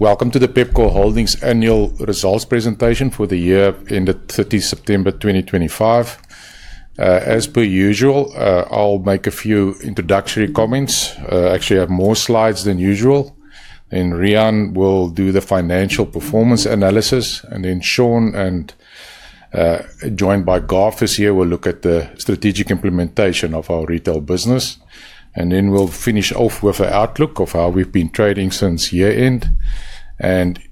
Welcome to the Pepkor Holdings annual results presentation for the year ended 30 September 2025. As per usual, I'll make a few introductory comments. Actually, I have more slides than usual. Then Riaan will do the financial performance analysis, and then Sean, joined by Garth this year, will look at the strategic implementation of our retail business. We'll finish off with an outlook of how we've been trading since year-end.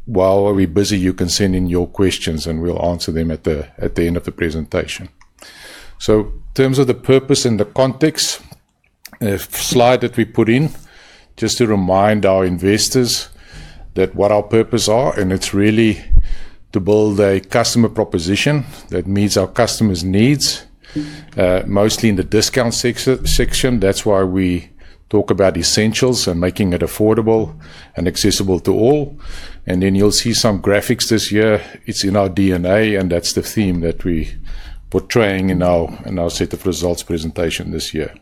While we're busy, you can send in your questions, and we'll answer them at the end of the presentation. In terms of the purpose and the context, the slide that we put in just to remind our investors what our purpose is, and it's really to build a customer proposition that meets our customers' needs, mostly in the discount section. That's why we talk about essentials and making it affordable and accessible to all. You'll see some graphics this year. It's in our DNA, and that's the theme that we're portraying in our set of results presentation this year.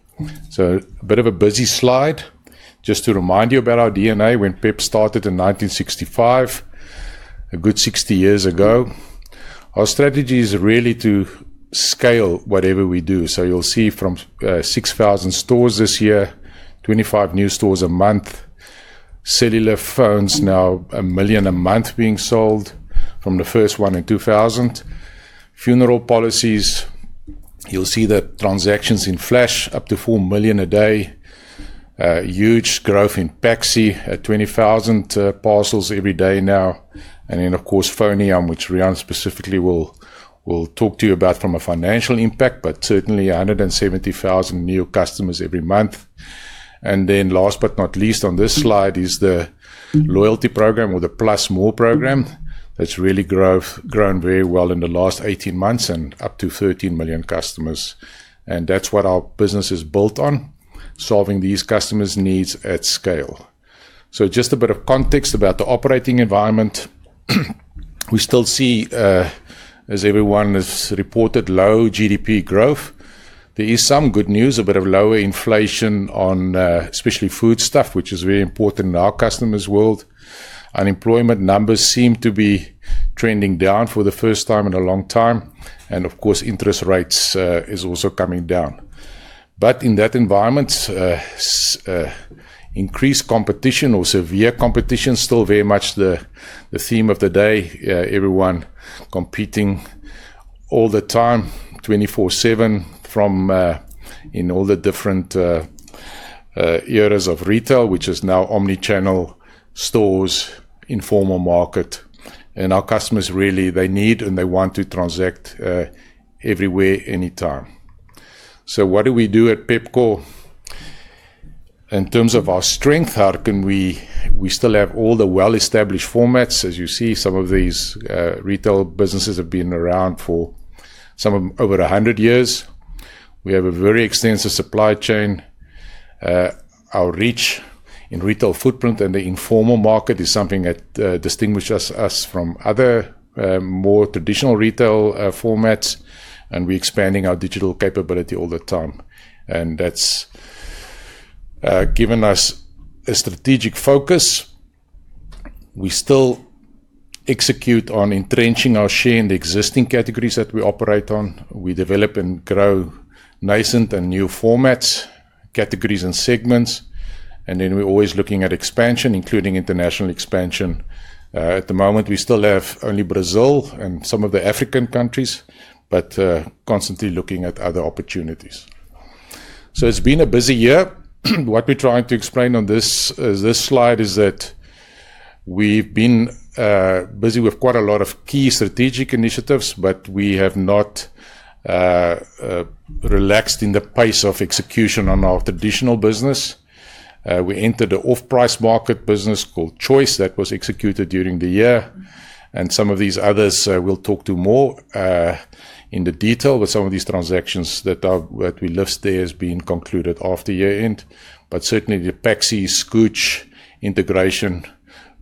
A bit of a busy slide just to remind you about our DNA. When PEP started in 1965, a good 60 years ago, our strategy is really to scale whatever we do. You'll see from 6,000 stores this year, 25 new stores a month, cellular phones now a million a month being sold from the first one in 2000. Funeral policies, you'll see the transactions in Flash up to 4 million a day. Huge growth in PAXI at 20,000 parcels every day now. Of course, FoneYam, which Riaan specifically will talk to you about from a financial impact, but certainly 170,000 new customers every month. Last but not least on this slide is the loyalty program or the +more program that's really grown very well in the last 18 months and up to 13 million customers. That's what our business is built on, solving these customers' needs at scale. Just a bit of context about the operating environment. We still see, as everyone has reported, low GDP growth. There is some good news, a bit of lower inflation on especially food stuff, which is very important in our customers' world. Unemployment numbers seem to be trending down for the first time in a long time. Of course, interest rates are also coming down. In that environment, increased competition or severe competition is still very much the theme of the day. Everyone competing all the time, 24/7, from in all the different areas of retail, which is now omnichannel stores, informal market. Our customers really, they need and they want to transact everywhere, anytime. What do we do at Pepkor? In terms of our strength, how can we? We still have all the well-established formats. As you see, some of these retail businesses have been around for some over 100 years. We have a very extensive supply chain. Our reach in retail footprint and the informal market is something that distinguishes us from other more traditional retail formats. We are expanding our digital capability all the time. That has given us a strategic focus. We still execute on entrenching our share in the existing categories that we operate on. We develop and grow nascent and new formats, categories, and segments. We are always looking at expansion, including international expansion. At the moment, we still have only Brazil and some of the African countries, but constantly looking at other opportunities. It has been a busy year. What we are trying to explain on this slide is that we have been busy with quite a lot of key strategic initiatives, but we have not relaxed in the pace of execution on our traditional business. We entered an off-price market business called Choice that was executed during the year. Some of these others we will talk to more in detail, but some of these transactions that we list there have been concluded after year-end. Certainly, the PAXI, Skooch integration is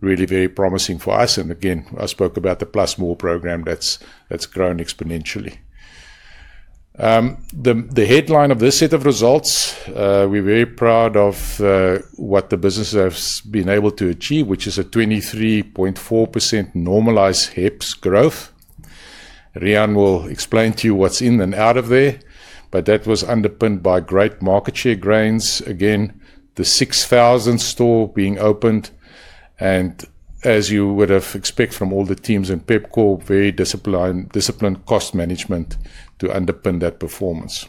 really very promising for us. Again, I spoke about the +more program that has grown exponentially. The headline of this set of results, we're very proud of what the business has been able to achieve, which is a 23.4% normalized HEPS growth. Riaan will explain to you what's in and out of there, but that was underpinned by great market share gains. Again, the 6,000 store being opened. As you would have expected from all the teams in Pepkor, very disciplined cost management to underpin that performance.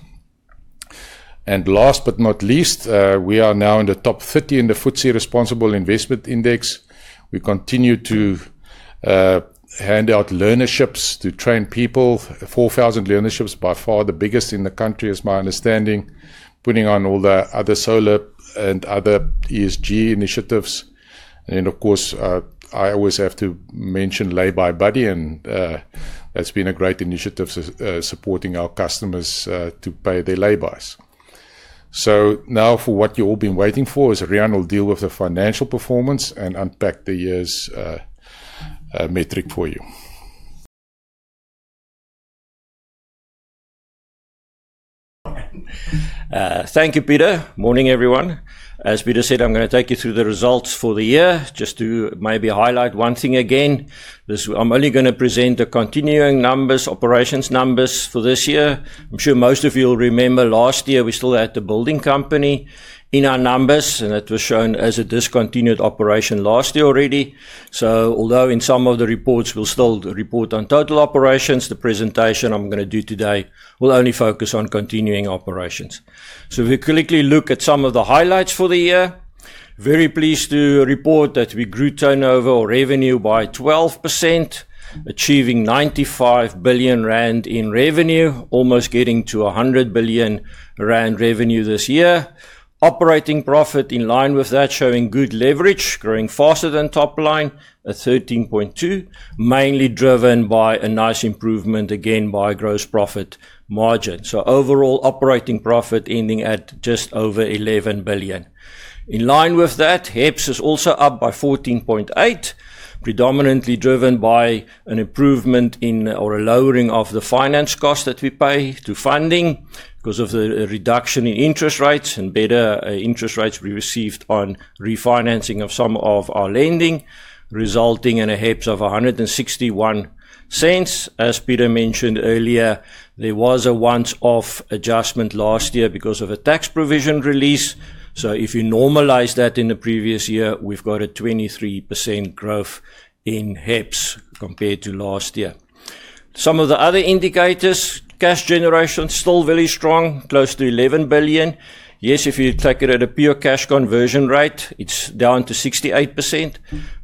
Last but not least, we are now in the top 30 in the FTSE Responsible Investment Index. We continue to hand out learnerships to train people, 4,000 learnerships, by far the biggest in the country, as my understanding, putting on all the other solar and other ESG initiatives. Of course, I always have to mention Lay-by-Buddy, and that's been a great initiative supporting our customers to pay their laybys. Now for what you've all been waiting for is Riaan will deal with the financial performance and unpack the year's metric for you. Thank you, Pieter. Morning, everyone. As Pieter said, I'm going to take you through the results for the year. Just to maybe highlight one thing again, I'm only going to present the continuing numbers, operations numbers for this year. I'm sure most of you will remember last year we still had the building company in our numbers, and it was shown as a discontinued operation last year already. Although in some of the reports we'll still report on total operations, the presentation I'm going to do today will only focus on continuing operations. If we quickly look at some of the highlights for the year, very pleased to report that we grew turnover or revenue by 12%, achieving 95 billion rand in revenue, almost getting to 100 billion rand revenue this year. Operating profit in line with that, showing good leverage, growing faster than top line, at 13.2%, mainly driven by a nice improvement again by gross profit margin. Overall operating profit ending at just over 11 billion. In line with that, HEPS is also up by 14.8%, predominantly driven by an improvement in or a lowering of the finance cost that we pay to funding because of the reduction in interest rates and better interest rates we received on refinancing of some of our lending, resulting in a HEPS of 1.61. As Pieter mentioned earlier, there was a once-off adjustment last year because of a tax provision release. If you normalize that in the previous year, we've got a 23% growth in HEPS compared to last year. Some of the other indicators, cash generation is still very strong, close to 11 billion. Yes, if you take it at a pure cash conversion rate, it's down to 68%,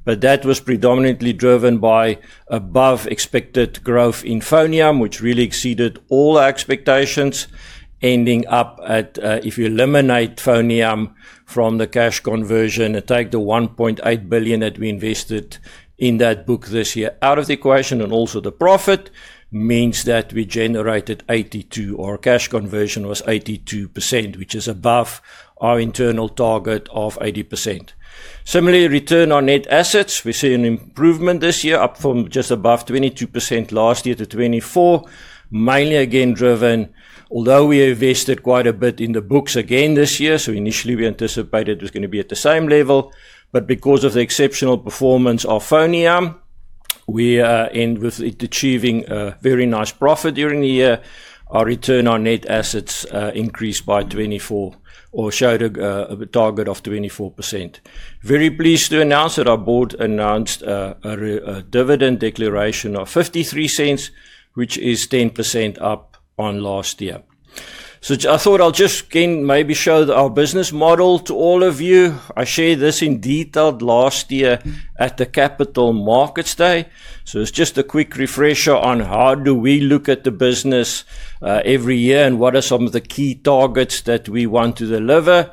but that was predominantly driven by above-expected growth in FoneYam, which really exceeded all our expectations, ending up at, if you eliminate FoneYam from the cash conversion and take the 1.8 billion that we invested in that book this year out of the equation and also the profit, means that we generated 82% or cash conversion was 82%, which is above our internal target of 80%. Similarly, return on net assets, we see an improvement this year, up from just above 22% last year to 24%, mainly again driven, although we invested quite a bit in the books again this year. Initially, we anticipated it was going to be at the same level, but because of the exceptional performance of FoneYam, we end with it achieving a very nice profit during the year. Our return on net assets increased by 24% or showed a target of 24%. Very pleased to announce that our board announced a dividend declaration of 0.53, which is 10% up on last year. I thought I'll just again maybe show our business model to all of you. I shared this in detail last year at the Capital Markets Day. It's just a quick refresher on how do we look at the business every year and what are some of the key targets that we want to deliver.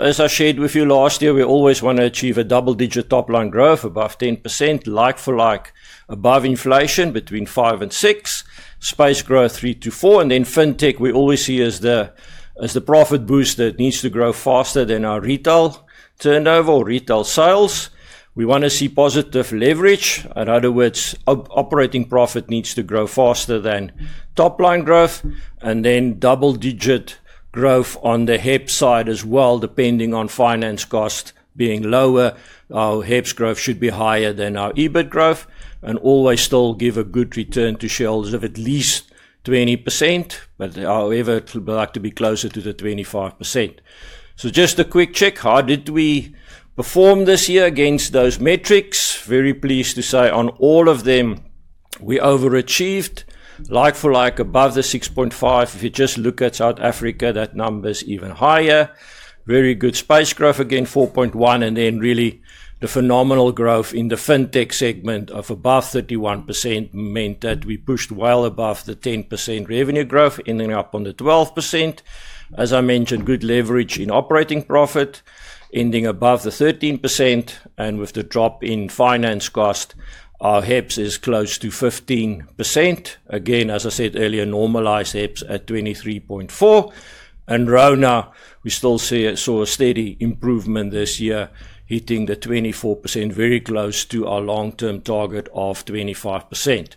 As I shared with you last year, we always want to achieve a double-digit top-line growth above 10%, like-for-like, above inflation between 5%-6%, space growth 3%-4%. Fintech, we always see as the profit boost that needs to grow faster than our retail turnover or retail sales. We want to see positive leverage. In other words, operating profit needs to grow faster than top-line growth. Then double-digit growth on the HEPS side as well, depending on finance cost being lower. Our HEPS growth should be higher than our EBIT growth and always still give a good return to shareholders of at least 20%, however, it would like to be closer to the 25%. Just a quick check, how did we perform this year against those metrics? Very pleased to say on all of them, we overachieved, like-for-like, above the 6.5%. If you just look at South Africa, that number is even higher. Very good space growth, again 4.1%. Then really the phenomenal growth in the fintech segment of above 31% meant that we pushed well above the 10% revenue growth, ending up on the 12%. As I mentioned, good leverage in operating profit, ending above the 13%. With the drop in finance cost, our HEPS is close to 15%. Again, as I said earlier, normalized HEPS at 23.4. RONA, we still saw a steady improvement this year, hitting the 24%, very close to our long-term target of 25%.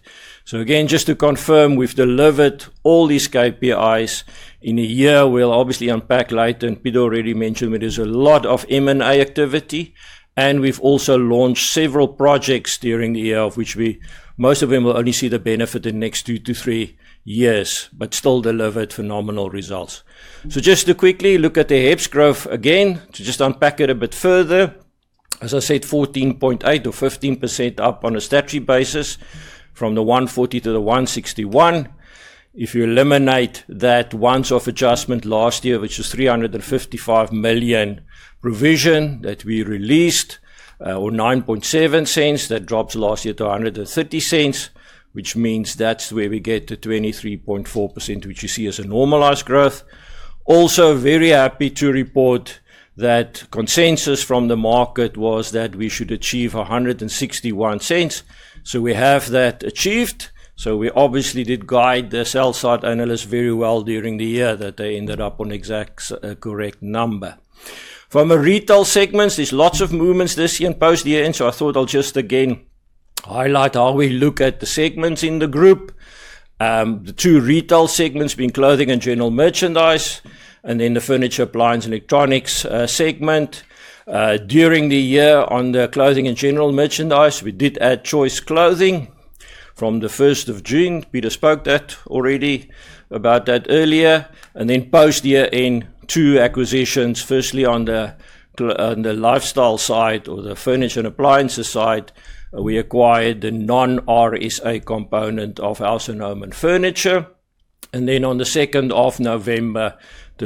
Just to confirm, we've delivered all these KPIs in a year. We'll obviously unpack later, and Pieter already mentioned there's a lot of M&A activity. We've also launched several projects during the year, of which most of them will only see the benefit in the next two to three years, but still delivered phenomenal results. Just to quickly look at the HEPS growth again, to unpack it a bit further. As I said, 14.8% or 15% up on a statutory basis from the 140 to the 161. If you eliminate that once-off adjustment last year, which was 355 million provision that we released, or 0.097, that drops last year to 1.30, which means that's where we get to 23.4%, which you see as a normalized growth. Also very happy to report that consensus from the market was that we should achieve 1.61. So we have that achieved. We obviously did guide the sell-side analysts very well during the year that they ended up on exact correct number. From a retail segment, there's lots of movements this year and post-year. I thought I'll just again highlight how we look at the segments in the group. The two retail segments being clothing and general merchandise, and then the furniture, appliance, and electronics segment. During the year on the clothing and general merchandise, we did add Choice Clothing from the 1st of June. Pieter spoke about that earlier. Post-year-end, two acquisitions. Firstly, on the lifestyle side or the furniture and appliances side, we acquired non-RSA component of [Alshanaman] Furniture. On the 2nd of November,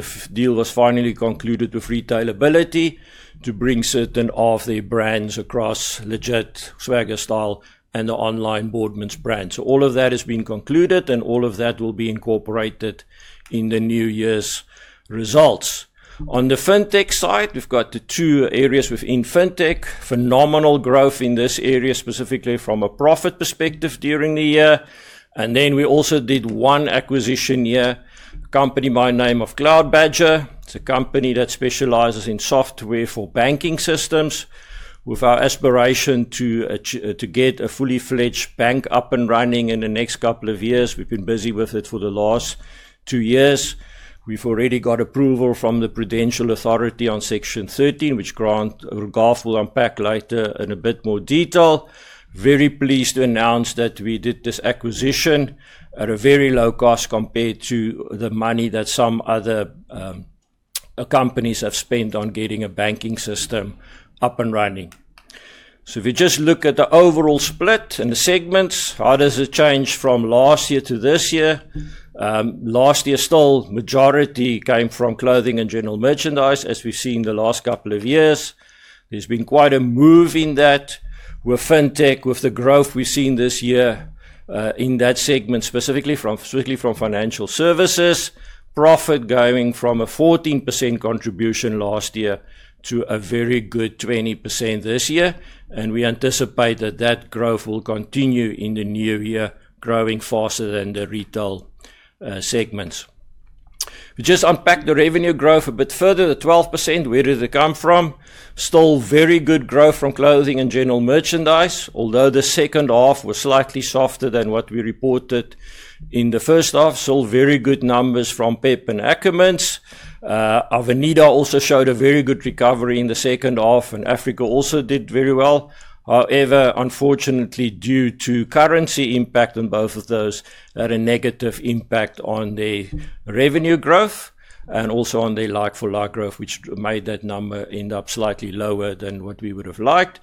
the deal was finally concluded with Retailability to bring certain of their brands across, Legit, Swagga, Style, and the online Boardmans brand. All of that has been concluded, and all of that will be incorporated in the New Year's results. On the fintech side, we've got the two areas within fintech. Phenomenal growth in this area, specifically from a profit perspective during the year. We also did one acquisition here, a company by the name of CloudBadger. It's a company that specializes in software for banking systems with our aspiration to get a fully-fledged bank up and running in the next couple of years. We've been busy with it for the last two years. We've already got approval from the Prudential Authority on Section 13, which Garth will unpack later in a bit more detail. Very pleased to announce that we did this acquisition at a very low cost compared to the money that some other companies have spent on getting a banking system up and running. If we just look at the overall split and the segments, how does it change from last year to this year? Last year, still majority came from clothing and general merchandise, as we've seen the last couple of years. There's been quite a move in that. With fintech, with the growth we've seen this year in that segment, specifically from financial services, profit going from a 14% contribution last year to a very good 20% this year. We anticipate that that growth will continue in the new year, growing faster than the retail segments. We just unpacked the revenue growth a bit further, the 12%. Where did it come from? Still very good growth from clothing and general merchandise, although the second half was slightly softer than what we reported in the first half. Still very good numbers from PEP and Ackermans. Avenida also showed a very good recovery in the second half, and Africa also did very well. However, unfortunately, due to currency impact on both of those, had a negative impact on their revenue growth and also on their like-for-like growth, which made that number end up slightly lower than what we would have liked.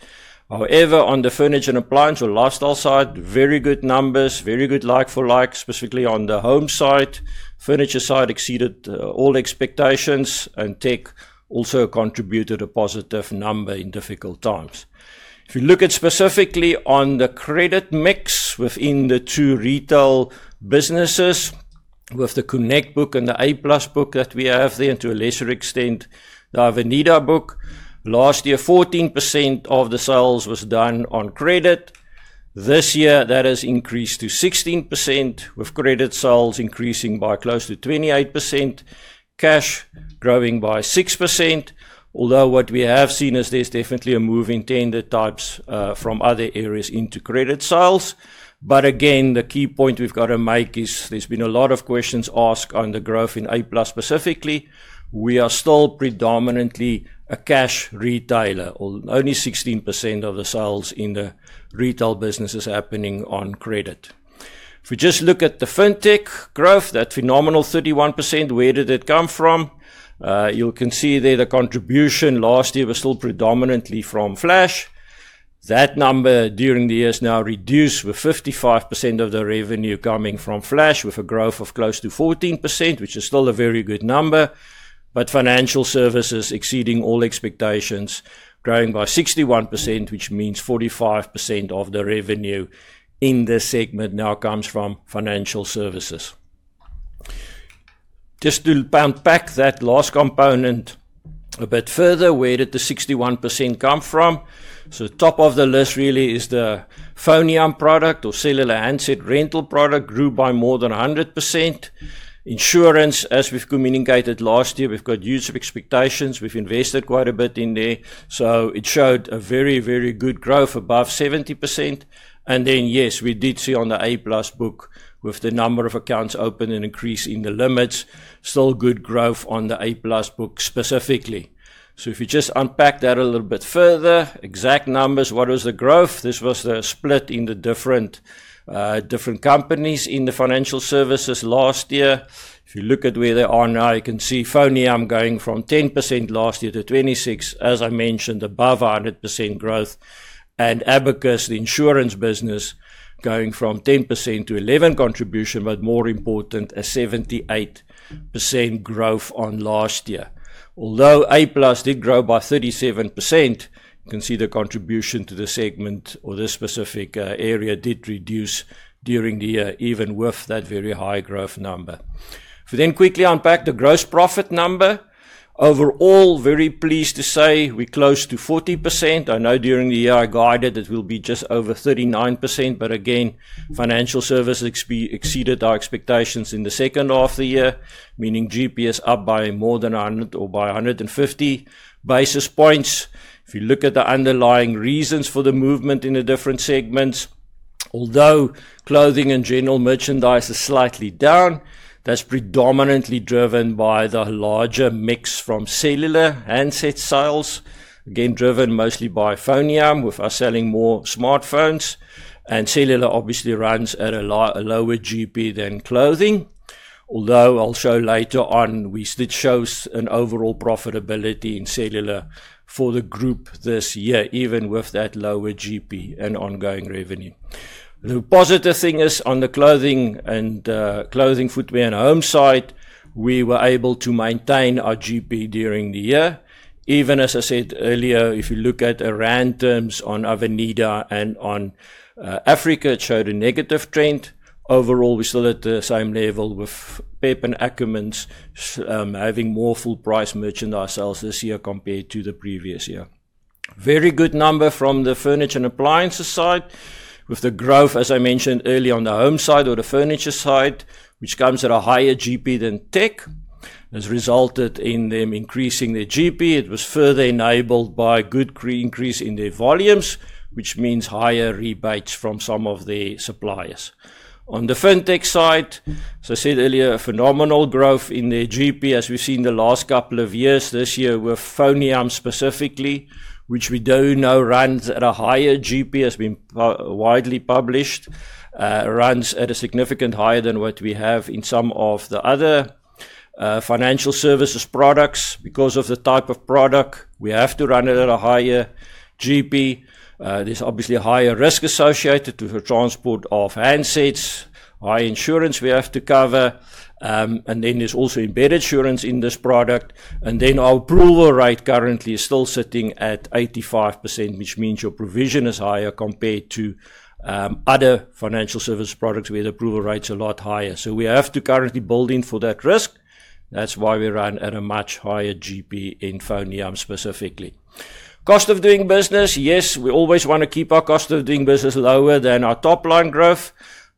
However, on the furniture and appliance or lifestyle side, very good numbers, very good like-for-like, specifically on the home side. Furniture side exceeded all expectations, and tech also contributed a positive number in difficult times. If you look at specifically on the credit mix within the two retail businesses, with the Connect book and the A+ book that we have there, and to a lesser extent, the Avenida book, last year, 14% of the sales was done on credit. This year, that has increased to 16%, with credit sales increasing by close to 28%, cash growing by 6%. Although what we have seen is there's definitely a move in tender types from other areas into credit sales. Again, the key point we've got to make is there's been a lot of questions asked on the growth in A+ specifically. We are still predominantly a cash retailer, only 16% of the sales in the retail business is happening on credit. If we just look at the fintech growth, that phenomenal 31%, where did it come from? You'll can see there the contribution last year was still predominantly from Flash. That number during the year has now reduced with 55% of the revenue coming from Flash, with a growth of close to 14%, which is still a very good number. Financial services exceeding all expectations, growing by 61%, which means 45% of the revenue in this segment now comes from financial services. Just to unpack that last component a bit further, where did the 61% come from? Top of the list really is the FoneYam product or Cellular Handset Rental product grew by more than 100%. Insurance, as we've communicated last year, we've got years of expectations. We've invested quite a bit in there. It showed a very, very good growth above 70%. Yes, we did see on the A+ book with the number of accounts open and increase in the limits, still good growth on the A+ book specifically. If you just unpack that a little bit further, exact numbers, what was the growth? This was the split in the different companies in the financial services last year. If you look at where they are now, you can see FoneYam going from 10% last year to 26%, as I mentioned, above 100% growth. Abacus, the insurance business, going from 10% to 11% contribution, but more importantly, a 78% growth on last year. Although A+ did grow by 37%, you can see the contribution to the segment or this specific area did reduce during the year, even with that very high growth number. If we then quickly unpack the gross profit number, overall, very pleased to say we're close to 40%. I know during the year I guided it will be just over 39%, but again, financial services exceeded our expectations in the second half of the year, meaning GP is up by more than 100 or by 150 basis points. If you look at the underlying reasons for the movement in the different segments, although clothing and general merchandise is slightly down, that's predominantly driven by the larger mix from cellular and set sales, again driven mostly by FoneYam, with us selling more smartphones. And cellular obviously runs at a lower GP than clothing. Although I'll show later on, we did show an overall profitability in cellular for the group this year, even with that lower GP and ongoing revenue. The positive thing is on the clothing and clothing, footwear, and home side, we were able to maintain our GP during the year. Even as I said earlier, if you look at the randoms on Avenida and on Africa, it showed a negative trend. Overall, we still at the same level with PEP and Ackermans having more full-price merchandise sales this year compared to the previous year. Very good number from the furniture and appliances side, with the growth, as I mentioned earlier, on the home side or the furniture side, which comes at a higher GP than tech, has resulted in them increasing their GP. It was further enabled by good increase in their volumes, which means higher rebates from some of the suppliers. On the fintech side, as I said earlier, a phenomenal growth in their GP, as we've seen the last couple of years, this year with FoneYam specifically, which we do know runs at a higher GP, has been widely published, runs at a significant higher than what we have in some of the other financial services products. Because of the type of product, we have to run it at a higher GP. There's obviously a higher risk associated with the transport of handsets, high insurance we have to cover. There is also embedded insurance in this product. Our approval rate currently is still sitting at 85%, which means your provision is higher compared to other financial services products where the approval rate's a lot higher. We have to currently build in for that risk. That's why we run at a much higher GP in FoneYam specifically. Cost of doing business, yes, we always want to keep our cost of doing business lower than our top line growth.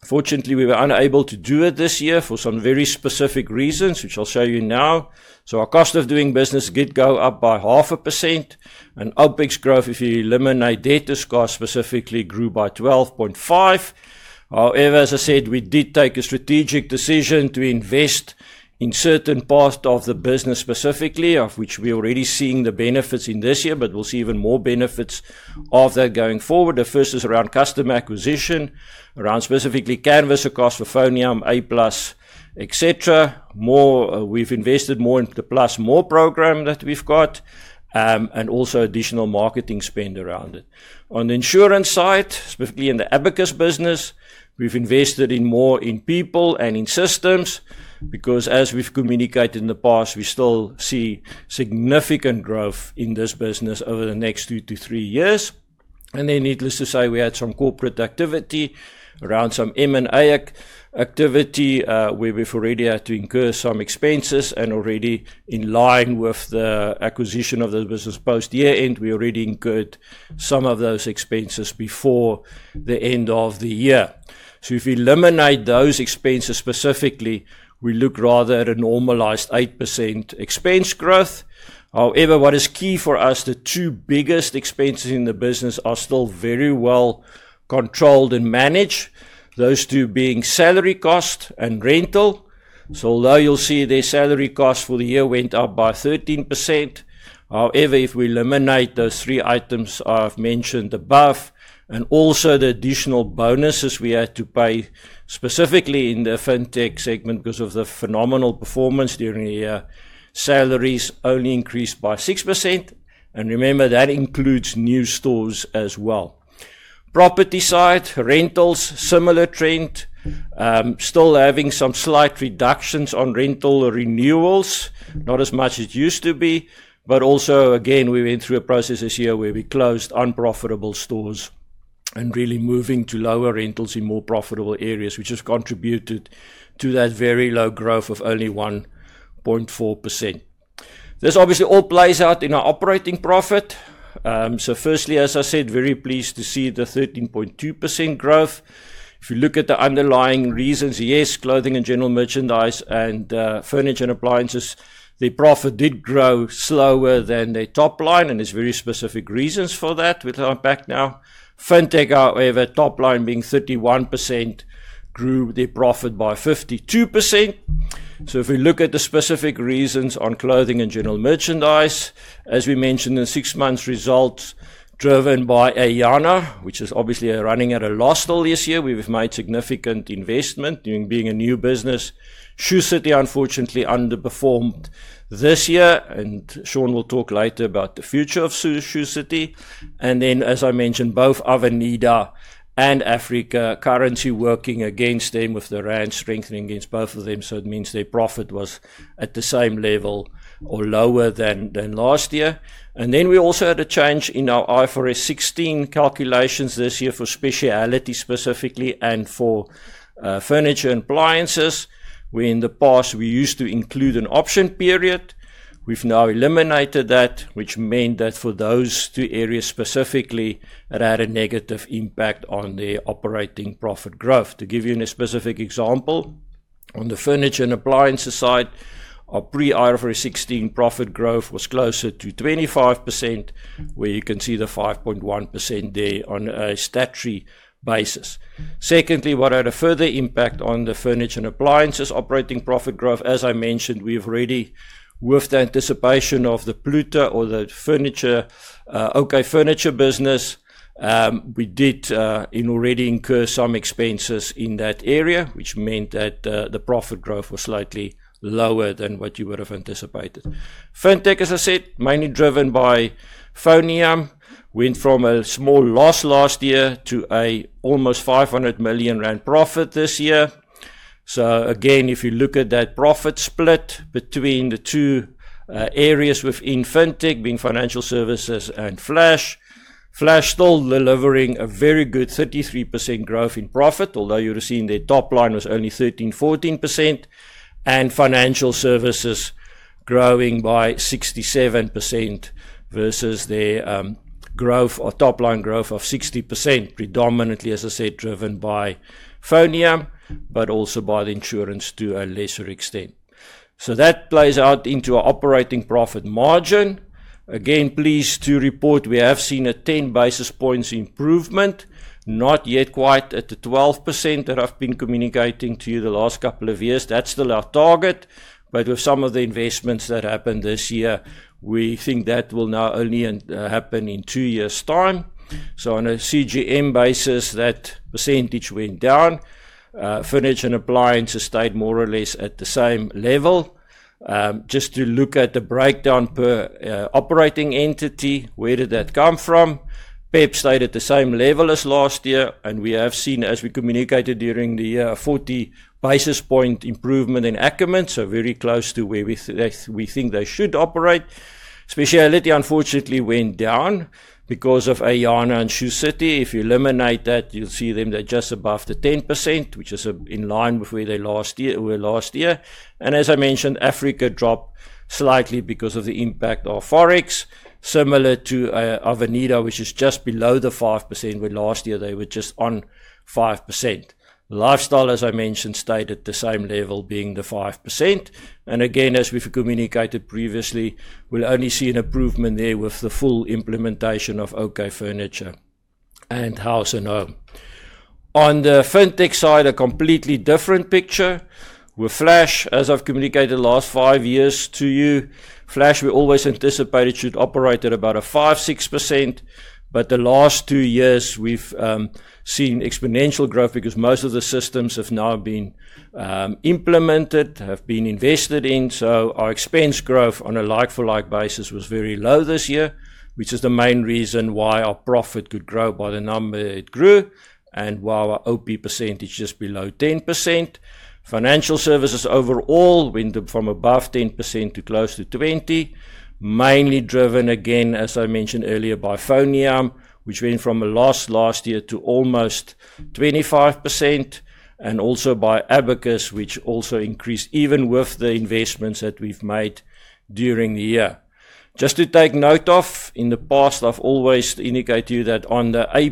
Unfortunately, we were unable to do it this year for some very specific reasons, which I'll show you now. Our cost of doing business did go up by 0.5%. OpEx growth, if you eliminate debt discount specifically, grew by 12.5%. However, as I said, we did take a strategic decision to invest in certain parts of the business specifically, of which we're already seeing the benefits in this year, but we'll see even more benefits of that going forward. The first is around customer acquisition, around specifically canvas across for FoneYam, A+, etc. We've invested more in the +more program that we've got, and also additional marketing spend around it. On the insurance side, specifically in the Abacus business, we've invested more in people and in systems because, as we've communicated in the past, we still see significant growth in this business over the next two to three years. Needless to say, we had some corporate activity around some M&A activity where we've already had to incur some expenses and already in line with the acquisition of the business post-year-end, we already incurred some of those expenses before the end of the year. If we eliminate those expenses specifically, we look rather at a normalized 8% expense growth. However, what is key for us, the two biggest expenses in the business are still very well controlled and managed, those two being salary cost and rental. Although you'll see their salary cost for the year went up by 13%, however, if we eliminate those three items I've mentioned above, and also the additional bonuses we had to pay specifically in the fintech segment because of the phenomenal performance during the year, salaries only increased by 6%. Remember, that includes new stores as well. Property side, rentals, similar trend, still having some slight reductions on rental renewals, not as much as used to be. Also, again, we went through a process this year where we closed unprofitable stores and really moving to lower rentals in more profitable areas, which has contributed to that very low growth of only 1.4%. This obviously all plays out in our operating profit. Firstly, as I said, very pleased to see the 13.2% growth. If you look at the underlying reasons, yes, clothing and general merchandise and furniture and appliances, their profit did grow slower than their top line, and there are very specific reasons for that. We will unpack now. Fintech, however, top line being 31%, grew their profit by 52%. If we look at the specific reasons on clothing and general merchandise, as we mentioned in six months' results driven by AYANA, which is obviously running at a loss still this year, we have made significant investment. Being a new business, Shoe City, unfortunately, underperformed this year, and Sean will talk later about the future of Shoe City. As I mentioned, both Avenida and Africa currently working against them with the rand strengthening against both of them, so it means their profit was at the same level or lower than last year. We also had a change in our IFRS 16 calculations this year for Speciality specifically and for furniture and appliances, where in the past we used to include an option period. We have now eliminated that, which meant that for those two areas specifically, it had a negative impact on their operating profit growth. To give you a specific example, on the furniture and appliances side, our pre-IFRS 16 profit growth was closer to 25%, where you can see the 5.1% there on a statutory basis. Secondly, what had a further impact on the furniture and appliances operating profit growth, as I mentioned, we have already, with the anticipation of the OK Furniture business, already incurred some expenses in that area, which meant that the profit growth was slightly lower than what you would have anticipated. Fintech, as I said, mainly driven by FoneYam, went from a small loss last year to an almost 500 million rand profit this year. If you look at that profit split between the two areas within fintech, being financial services and Flash, Flash still delivering a very good 33% growth in profit, although you would have seen their top line was only 13%-14%, and financial services growing by 67% versus their growth or top line growth of 60%, predominantly, as I said, driven by FoneYam, but also by the insurance to a lesser extent. That plays out into our operating profit margin. Again, pleased to report, we have seen a 10 basis points improvement, not yet quite at the 12% that I've been communicating to you the last couple of years. That's still our target, but with some of the investments that happened this year, we think that will now only happen in two years' time. On a CGM basis, that percentage went down. Furniture and appliances stayed more or less at the same level. Just to look at the breakdown per operating entity, where did that come from? PEP stayed at the same level as last year, and we have seen, as we communicated during the year, a 40 basis point improvement in Ackermans, so very close to where we think they should operate. Speciality, unfortunately, went down because of AYANA and Shoe City. If you eliminate that, you'll see them just above the 10%, which is in line with where they were last year. As I mentioned, Africa dropped slightly because of the impact of Forex, similar to Avenida, which is just below the 5%, where last year they were just on 5%. Lifestyle, as I mentioned, stayed at the same level, being the 5%. As we have communicated previously, we will only see an improvement there with the full implementation of OK Furniture and House & Home. On the fintech side, a completely different picture. With Flash, as I have communicated the last five years to you, Flash, we always anticipated should operate at about a 5%-6%, but the last two years we have seen exponential growth because most of the systems have now been implemented, have been invested in. Our expense growth on a like-for-like basis was very low this year, which is the main reason why our profit could grow by the number it grew, and why our OP percentage is below 10%. Financial services overall went from above 10% to close to 20%, mainly driven, again, as I mentioned earlier, by FoneYam, which went from a loss last year to almost 25%, and also by Abacus, which also increased even with the investments that we've made during the year. Just to take note of, in the past, I've always indicated to you that on the A+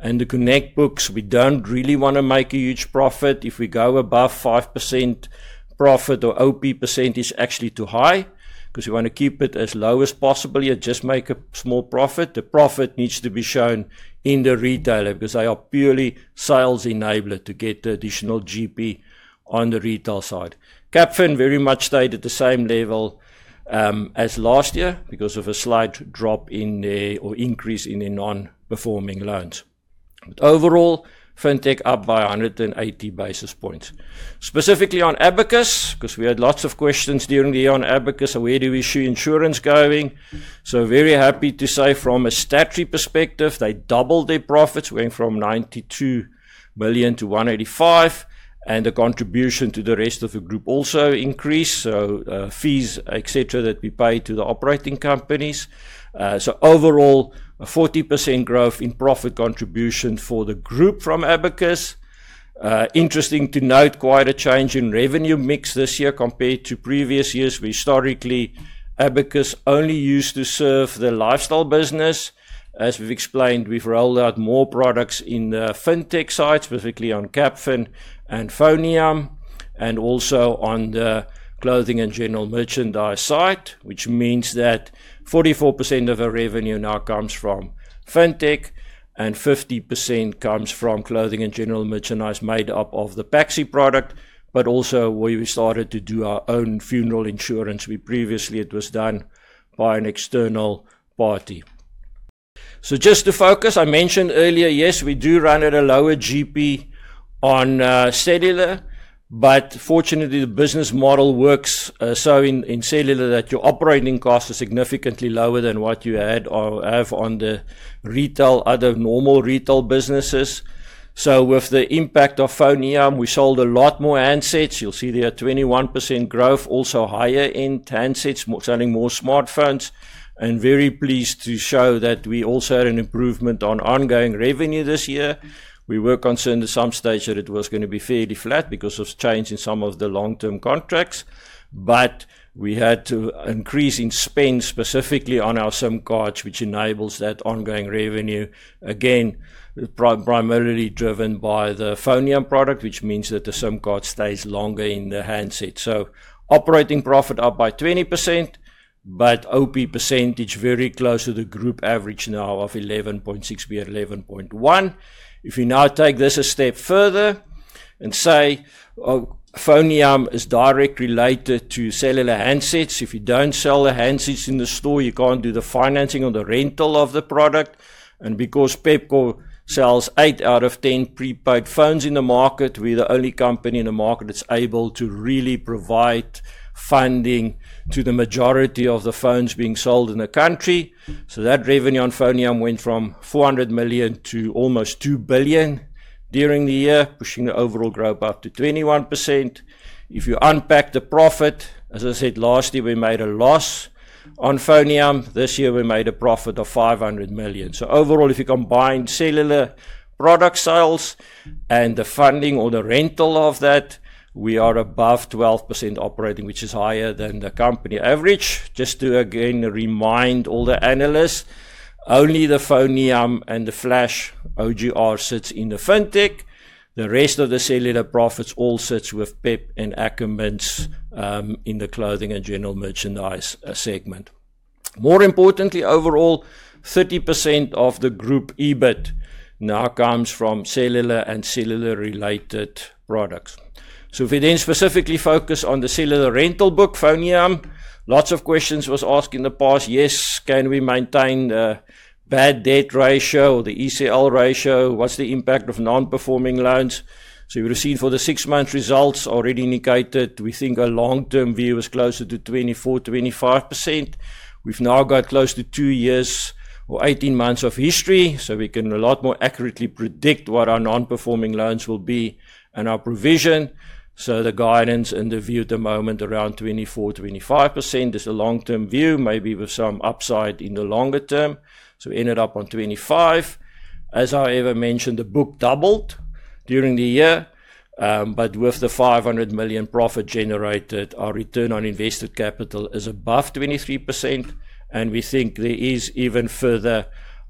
and the Connect books, we don't really want to make a huge profit. If we go above 5% profit or OP percent is actually too high because we want to keep it as low as possible here, just make a small profit. The profit needs to be shown in the retailer because they are purely sales enabler to get the additional GP on the retail side. Capfin, very much stayed at the same level as last year because of a slight drop in their or increase in their non-performing loans. Overall, fintech up by 180 basis points. Specifically on Abacus, because we had lots of questions during the year on Abacus, where do we see insurance going? Very happy to say from a statutory perspective, they doubled their profits, went from 92 million to 185 million, and the contribution to the rest of the group also increased, so fees, etc., that we pay to the operating companies. Overall, a 40% growth in profit contribution for the group from Abacus. Interesting to note, quite a change in revenue mix this year compared to previous years. Historically, Abacus only used to serve the lifestyle business. As we've explained, we've rolled out more products in the fintech side, specifically on Capfin and FoneYam, and also on the clothing and general merchandise side, which means that 44% of our revenue now comes from fintech and 50% comes from clothing and general merchandise made up of the PAXI product, but also where we started to do our own funeral insurance, where previously it was done by an external party. Just to focus, I mentioned earlier, yes, we do run at a lower GP on cellular, but fortunately, the business model works in cellular that your operating costs are significantly lower than what you have on the other normal retail businesses. With the impact of FoneYam, we sold a lot more handsets. You'll see there a 21% growth, also higher-end handsets, selling more smartphones, and very pleased to show that we also had an improvement on ongoing revenue this year. We were concerned at some stage that it was going to be fairly flat because of change in some of the long-term contracts, but we had an increase in spend specifically on our SIM cards, which enables that ongoing revenue, again, primarily driven by the FoneYam product, which means that the SIM card stays longer in the handset. Operating profit up by 20%, but OP percentage very close to the group average now of 11.6%, we had 11.1%. If you now take this a step further and say FoneYam is directly related to cellular handsets, if you don't sell the handsets in the store, you can't do the financing on the rental of the product. Because Pepkor sells 8 out of 10 prepaid phones in the market, we're the only company in the market that's able to really provide funding to the majority of the phones being sold in the country. That revenue on FoneYam went from 400 million to almost 2 billion during the year, pushing the overall growth up to 21%. If you unpack the profit, as I said, last year we made a loss on FoneYam. This year we made a profit of 500 million. Overall, if you combine cellular product sales and the funding or the rental of that, we are above 12% operating, which is higher than the company average. Just to, again, remind all the analysts, only the FoneYam and the Flash OGR sits in the fintech. The rest of the cellular profits all sits with PEP and Ackermans in the clothing and general merchandise segment. More importantly, overall, 30% of the group EBIT now comes from cellular and cellular-related products. If we then specifically focus on the cellular rental book, FoneYam, lots of questions were asked in the past. Yes, can we maintain the bad debt ratio or the ECL ratio? What's the impact of non-performing loans? We've seen for the six months' results already indicated, we think our long-term view is closer to 24%-25%. We've now got close to two years or 18 months of history, so we can a lot more accurately predict what our non-performing loans will be and our provision. The guidance and the view at the moment around 24%-25% is a long-term view, maybe with some upside in the longer term. We ended up on 25%. As I ever mentioned, the book doubled during the year, but with the 500 million profit generated, our return on invested capital is above 23%, and we think there is even further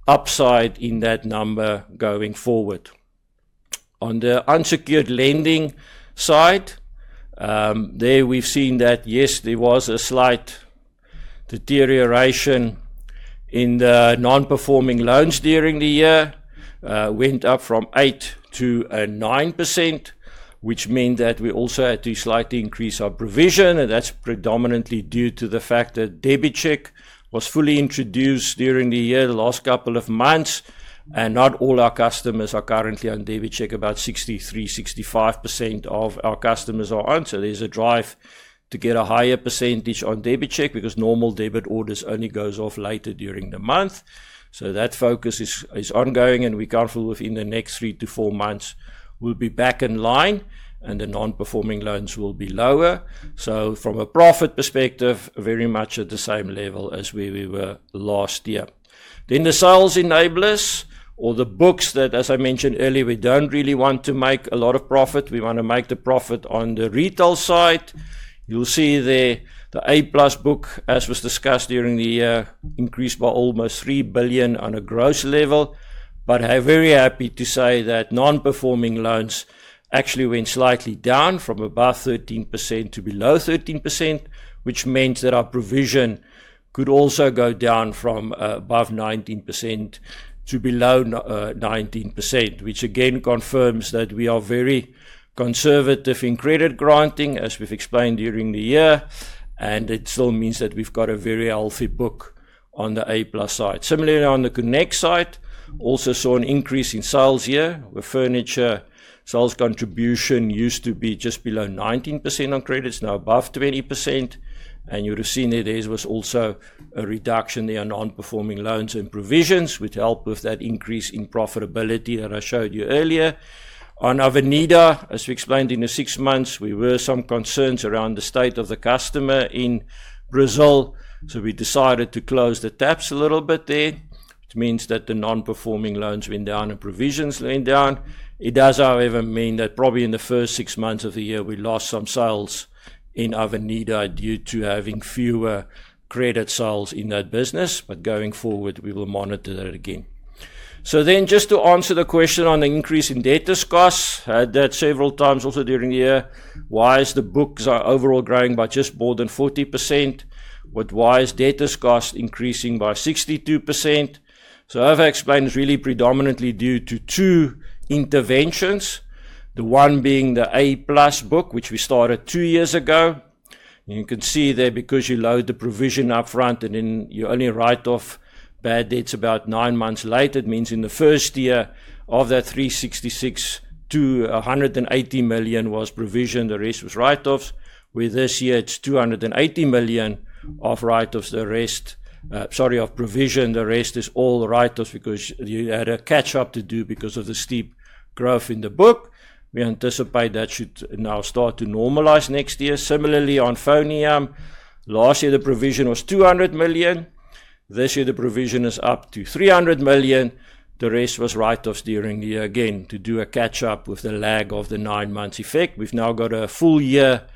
upside in that number going forward. On the unsecured lending side, there we've seen that, yes, there was a slight deterioration in the non-performing loans during the year. It went up from 8% to 9%, which meant that we also had to slightly increase our provision, and that's predominantly due to the fact that DebitCheck was fully introduced during the year, the last couple of months, and not all our customers are currently on DebitCheck. About 63%-65% of our customers are on, so there's a drive to get a higher percentage on DebitCheck because normal debit orders only go off later during the month. That focus is ongoing, and we're comfortable with in the next three to four months we'll be back in line, and the non-performing loans will be lower. From a profit perspective, very much at the same level as where we were last year. The sales enablers or the books that, as I mentioned earlier, we don't really want to make a lot of profit. We want to make the profit on the retail side. You'll see there the A+ book, as was discussed during the year, increased by almost 3 billion on a gross level, but I'm very happy to say that non-performing loans actually went slightly down from above 13% to below 13%, which meant that our provision could also go down from above 19% to below 19%, which again confirms that we are very conservative in credit granting, as we've explained during the year, and it still means that we've got a very healthy book on the A+ side. Similarly, on the Connect side, also saw an increase in sales here. The furniture sales contribution used to be just below 19% on credits, now above 20%, and you would have seen that there was also a reduction in non-performing loans and provisions, which helped with that increase in profitability that I showed you earlier. On Avenida, as we explained in the six months, we were some concerns around the state of the customer in Brazil, so we decided to close the taps a little bit there, which means that the non-performing loans went down and provisions went down. It does, however, mean that probably in the first six months of the year, we lost some sales in Avenida due to having fewer credit sales in that business, but going forward, we will monitor that again. Just to answer the question on the increase in debtors' costs, I had that several times also during the year. Why is the books overall growing by just more than 40%, but why is debtors' cost increasing by 62%? As I explained, it's really predominantly due to two interventions, the one being the A+ book, which we started two years ago. You can see there because you load the provision upfront and then you only write off bad debts about nine months later. It means in the first year of that 366 million to 180 million was provision, the rest was write-offs, where this year it is 280 million of write-offs, the rest—sorry, of provision, the rest is all write-offs because you had a catch-up to do because of the steep growth in the book. We anticipate that should now start to normalize next year. Similarly, on FoneYam, last year the provision was 200 million. This year the provision is up to 300 million. The rest was write-offs during the year, again, to do a catch-up with the lag of the nine-month effect. We have now got a full year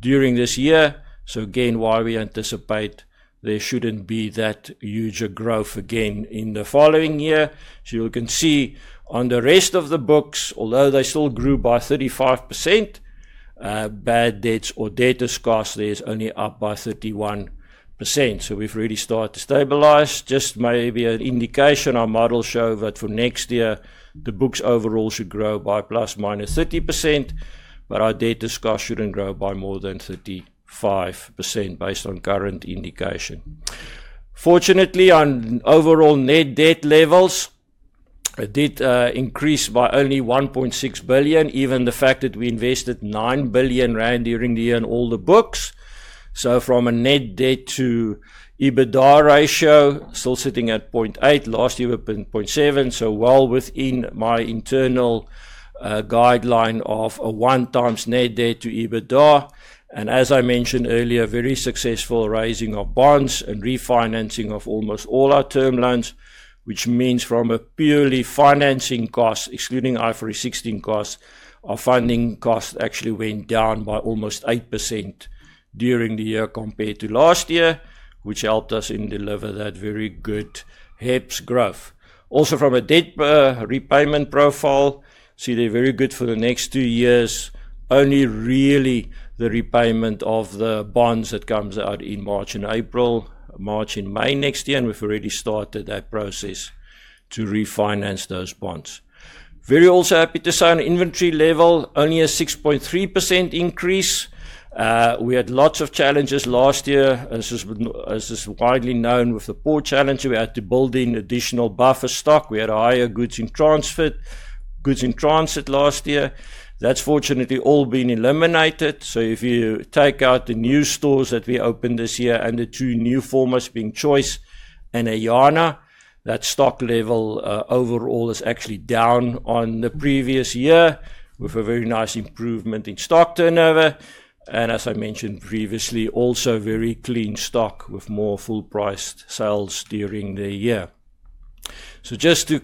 during this year, so again, why we anticipate there should not be that huge a growth again in the following year. You can see on the rest of the books, although they still grew by 35%, bad debts or debtors' cost is only up by 31%. We have really started to stabilize. Just maybe an indication, our model showed that for next year, the books overall should grow by ±30%, but our debtors' cost should not grow by more than 35% based on current indication. Fortunately, on overall net debt levels, it did increase by only 1.6 billion, given the fact that we invested 9 billion rand during the year in all the books. From a net debt to EBITDA ratio, still sitting at 0.8%. Last year we were at 0.7%, so well within my internal guideline of a 1x net debt to EBITDA. As I mentioned earlier, very successful raising of bonds and refinancing of almost all our term loans, which means from a purely financing cost, excluding our IFRS 16 cost, our funding cost actually went down by almost 8% during the year compared to last year, which helped us in deliver that very good HEPS growth. Also, from a debt repayment profile, see they're very good for the next two years, only really the repayment of the bonds that comes out in March and April, March and May next year, and we've already started that process to refinance those bonds. Very also happy to say on inventory level, only a 6.3% increase. We had lots of challenges last year, as is widely known with the port challenge. We had to build in additional buffer stock. We had a higher goods in transit last year. That's fortunately all been eliminated. If you take out the new stores that we opened this year and the two new formats being Choice and AYANA, that stock level overall is actually down on the previous year with a very nice improvement in stock turnover. As I mentioned previously, also very clean stock with more full-priced sales during the year. Just to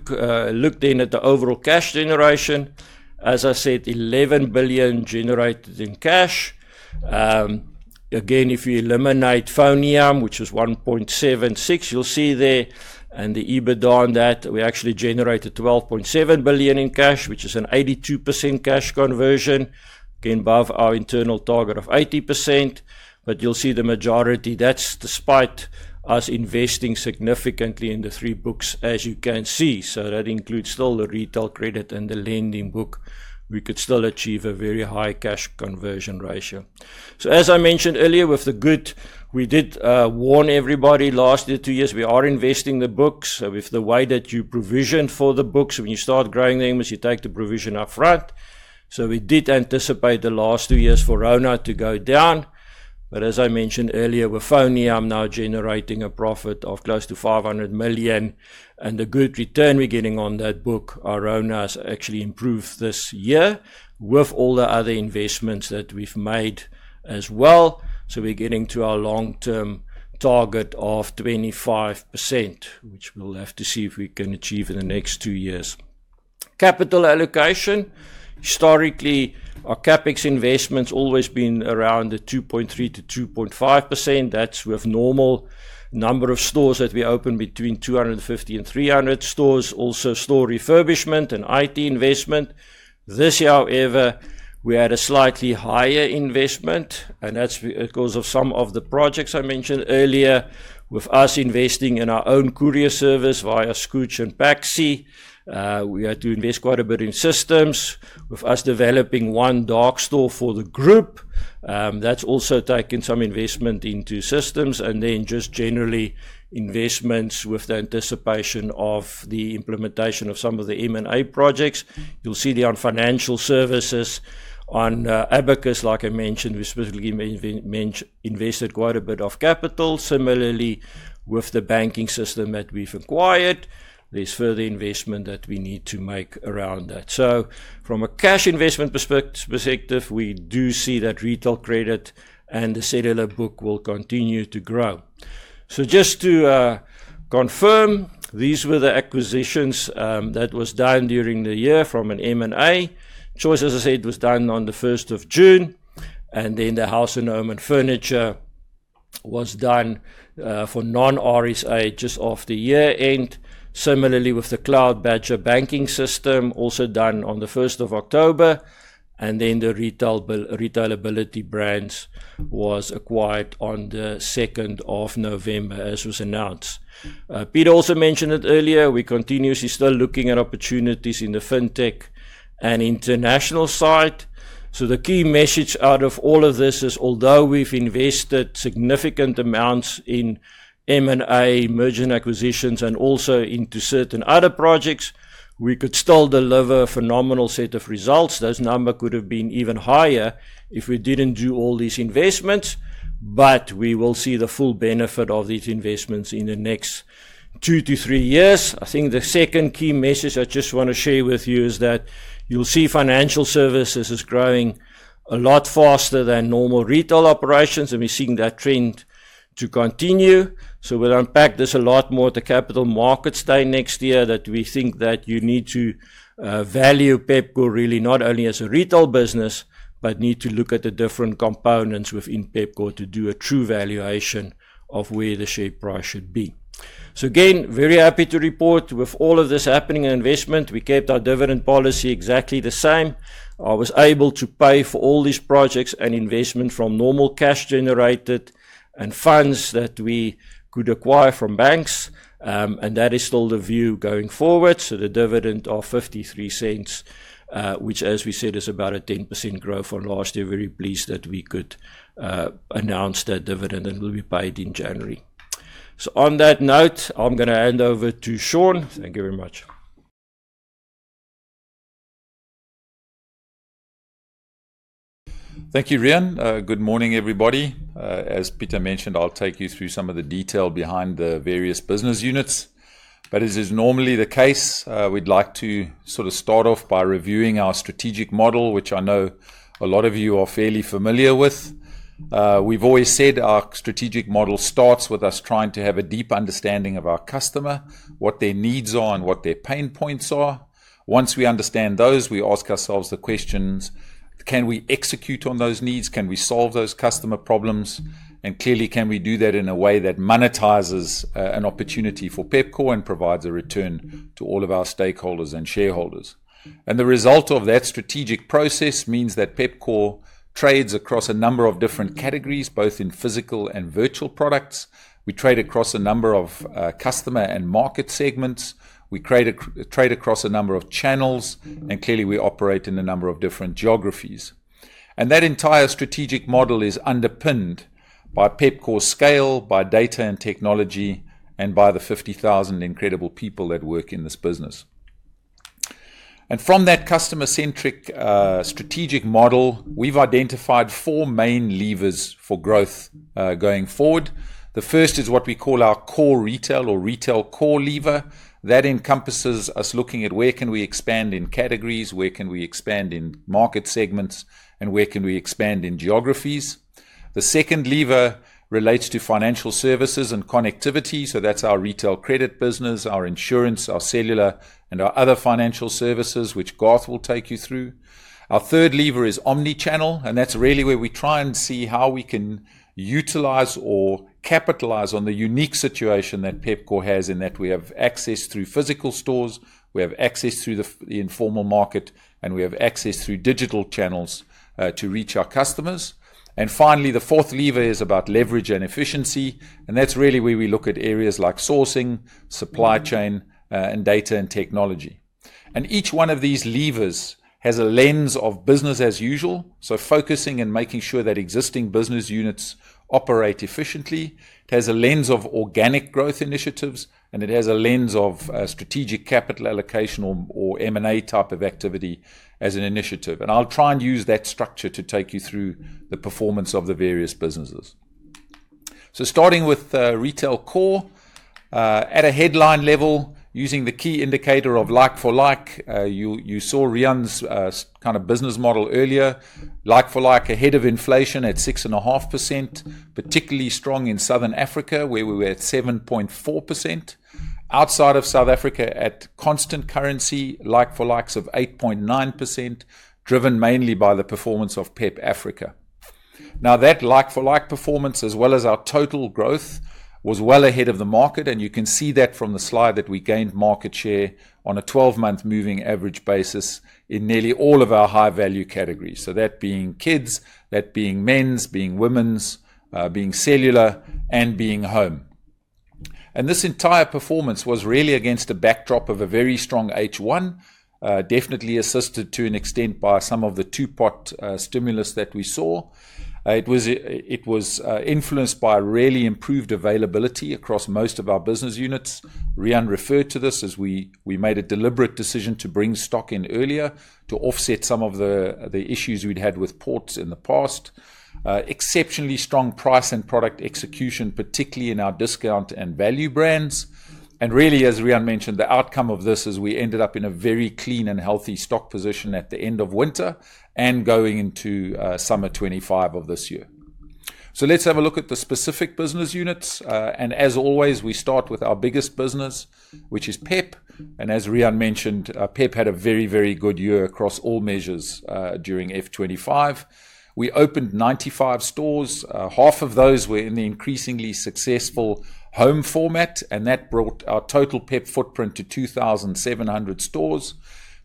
look then at the overall cash generation, as I said, 11 billion generated in cash. Again, if you eliminate FoneYam, which was 1.76 billion, you'll see there, and the EBITDA on that, we actually generated 12.7 billion in cash, which is an 82% cash conversion, again above our internal target of 80%. You'll see the majority, that's despite us investing significantly in the three books, as you can see. That includes still the retail credit and the lending book. We could still achieve a very high cash conversion ratio. As I mentioned earlier, with the good, we did warn everybody last year, two years, we are investing the books. With the way that you provision for the books, when you start growing the numbers, you take the provision upfront. We did anticipate the last two years for RONA to go down. As I mentioned earlier, with FoneYam now generating a profit of close to 500 million and the good return we're getting on that book, our RONA has actually improved this year with all the other investments that we've made as well. We're getting to our long-term target of 25%, which we'll have to see if we can achieve in the next two years. Capital allocation, historically, our CapEx investment's always been around the 2.3%-2.5%. That's with normal number of stores that we open between 250 and 300 stores, also store refurbishment and IT investment. This year, however, we had a slightly higher investment, and that's because of some of the projects I mentioned earlier. With us investing in our own courier service via Skooch and PAXI, we had to invest quite a bit in systems. With us developing one dark store for the group, that's also taken some investment into systems and then just generally investments with the anticipation of the implementation of some of the M&A projects. You'll see there on financial services, on Abacus, like I mentioned, we specifically invested quite a bit of capital. Similarly, with the banking system that we've acquired, there's further investment that we need to make around that. From a cash investment perspective, we do see that retail credit and the cellular book will continue to grow. Just to confirm, these were the acquisitions that were done during the year from an M&A. Choice, as I said, was done on the 1st of June, and then the House & Home and Furniture was done for non-RSA just after year-end. Similarly, with the CloudBadger banking system, also done on the 1st of October, and then the Retailability brands was acquired on the 2nd of November, as was announced. Pieter also mentioned it earlier, we're continuously still looking at opportunities in the fintech and international side. The key message out of all of this is, although we've invested significant amounts in M&A, merger and acquisitions and also into certain other projects, we could still deliver a phenomenal set of results. Those numbers could have been even higher if we didn't do all these investments, but we will see the full benefit of these investments in the next two to three years. I think the second key message I just want to share with you is that you'll see financial services is growing a lot faster than normal retail operations, and we're seeing that trend to continue. We will unpack this a lot more at the Capital Markets Day next year that we think that you need to value Pepkor really, not only as a retail business, but need to look at the different components within Pepkor to do a true valuation of where the share price should be. Again, very happy to report with all of this happening and investment. We kept our dividend policy exactly the same. I was able to pay for all these projects and investment from normal cash generated and funds that we could acquire from banks, and that is still the view going forward. The dividend of 0.53, which as we said, is about a 10% growth on last year. Very pleased that we could announce that dividend and will be paid in January. On that note, I'm going to hand over to Sean. Thank you very much. Thank you, Riaan. Good morning, everybody. As Pieter mentioned, I'll take you through some of the detail behind the various business units. As is normally the case, we'd like to sort of start off by reviewing our strategic model, which I know a lot of you are fairly familiar with. We've always said our strategic model starts with us trying to have a deep understanding of our customer, what their needs are, and what their pain points are. Once we understand those, we ask ourselves the questions, can we execute on those needs? Can we solve those customer problems? Clearly, can we do that in a way that monetizes an opportunity for Pepkor and provides a return to all of our stakeholders and shareholders? The result of that strategic process means that Pepkor trades across a number of different categories, both in physical and virtual products. We trade across a number of customer and market segments. We trade across a number of channels, and clearly, we operate in a number of different geographies. That entire strategic model is underpinned by Pepkor's scale, by data and technology, and by the 50,000 incredible people that work in this business. From that customer-centric strategic model, we've identified four main levers for growth going forward. The first is what we call our core retail or retail core lever. That encompasses us looking at where can we expand in categories, where can we expand in market segments, and where can we expand in geographies. The second lever relates to financial services and connectivity. That's our retail credit business, our insurance, our cellular, and our other financial services, which Garth will take you through. Our third lever is omnichannel, and that's really where we try and see how we can utilize or capitalize on the unique situation that Pepkor has in that we have access through physical stores, we have access through the informal market, and we have access through digital channels to reach our customers. Finally, the fourth lever is about leverage and efficiency, and that is really where we look at areas like sourcing, supply chain, and data and technology. Each one of these levers has a lens of business as usual, so focusing and making sure that existing business units operate efficiently. It has a lens of organic growth initiatives, and it has a lens of strategic capital allocation or M&A type of activity as an initiative. I will try and use that structure to take you through the performance of the various businesses. Starting with retail core, at a headline level, using the key indicator of like-for-like, you saw Riaan's kind of business model earlier. Like-for-like ahead of inflation at 6.5%, particularly strong in Southern Africa, where we were at 7.4%. Outside of South Africa, at constant currency, like-for-likes of 8.9%, driven mainly by the performance of PEP Africa. Now, that like-for-like performance, as well as our total growth, was well ahead of the market, and you can see that from the slide that we gained market share on a 12-month moving average basis in nearly all of our high-value categories. That being kids, that being men's, being women's, being cellular, and being home. This entire performance was really against a backdrop of a very strong H1, definitely assisted to an extent by some of the two-pot stimulus that we saw. It was influenced by really improved availability across most of our business units. Riaan referred to this as we made a deliberate decision to bring stock in earlier to offset some of the issues we'd had with ports in the past. Exceptionally strong price and product execution, particularly in our discount and value brands. Really, as Riaan mentioned, the outcome of this is we ended up in a very clean and healthy stock position at the end of winter and going into summer 2025 of this year. Let's have a look at the specific business units. As always, we start with our biggest business, which is PEP. As Riaan mentioned, PEP had a very, very good year across all measures during F2025. We opened 95 stores. Half of those were in the increasingly successful Home format, and that brought our total PEP footprint to 2,700 stores.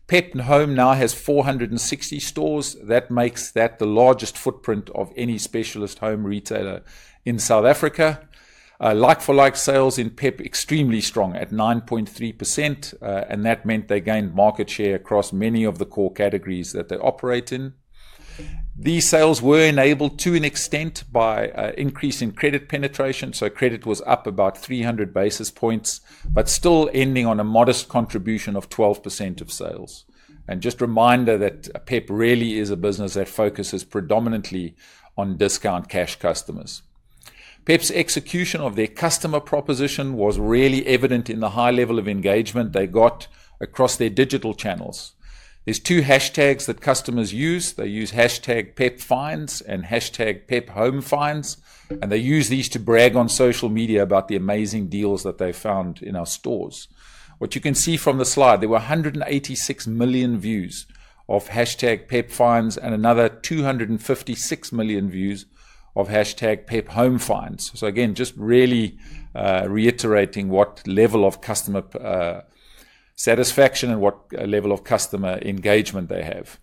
PEP and Home now has 460 stores. That makes that the largest footprint of any specialist home retailer in South Africa. Like-for-like sales in PEP, extremely strong at 9.3%, and that meant they gained market share across many of the core categories that they operate in. These sales were enabled to an extent by increasing credit penetration, so credit was up about 300 basis points, but still ending on a modest contribution of 12% of sales. Just a reminder that PEP really is a business that focuses predominantly on discount cash customers. PEP's execution of their customer proposition was really evident in the high level of engagement they got across their digital channels. There are two hashtags that customers use. They use #PepFinds and #PepHomeFinds, and they use these to brag on social media about the amazing deals that they found in our stores. What you can see from the slide, there were 186 million views of #PepFinds and another 256 million views of #PepHomeFinds. Just really reiterating what level of customer satisfaction and what level of customer engagement they have.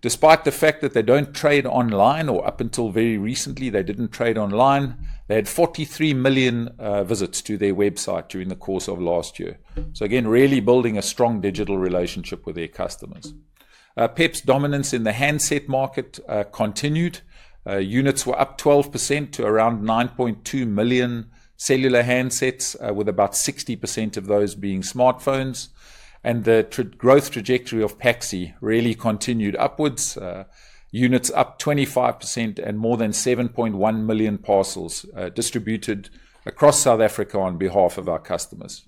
Despite the fact that they do not trade online or up until very recently, they did not trade online, they had 43 million visits to their website during the course of last year. Again, really building a strong digital relationship with their customers. PEP's dominance in the handset market continued. Units were up 12% to around 9.2 million cellular handsets, with about 60% of those being smartphones. The growth trajectory of PAXI really continued upwards. Units up 25% and more than 7.1 million parcels distributed across South Africa on behalf of our customers.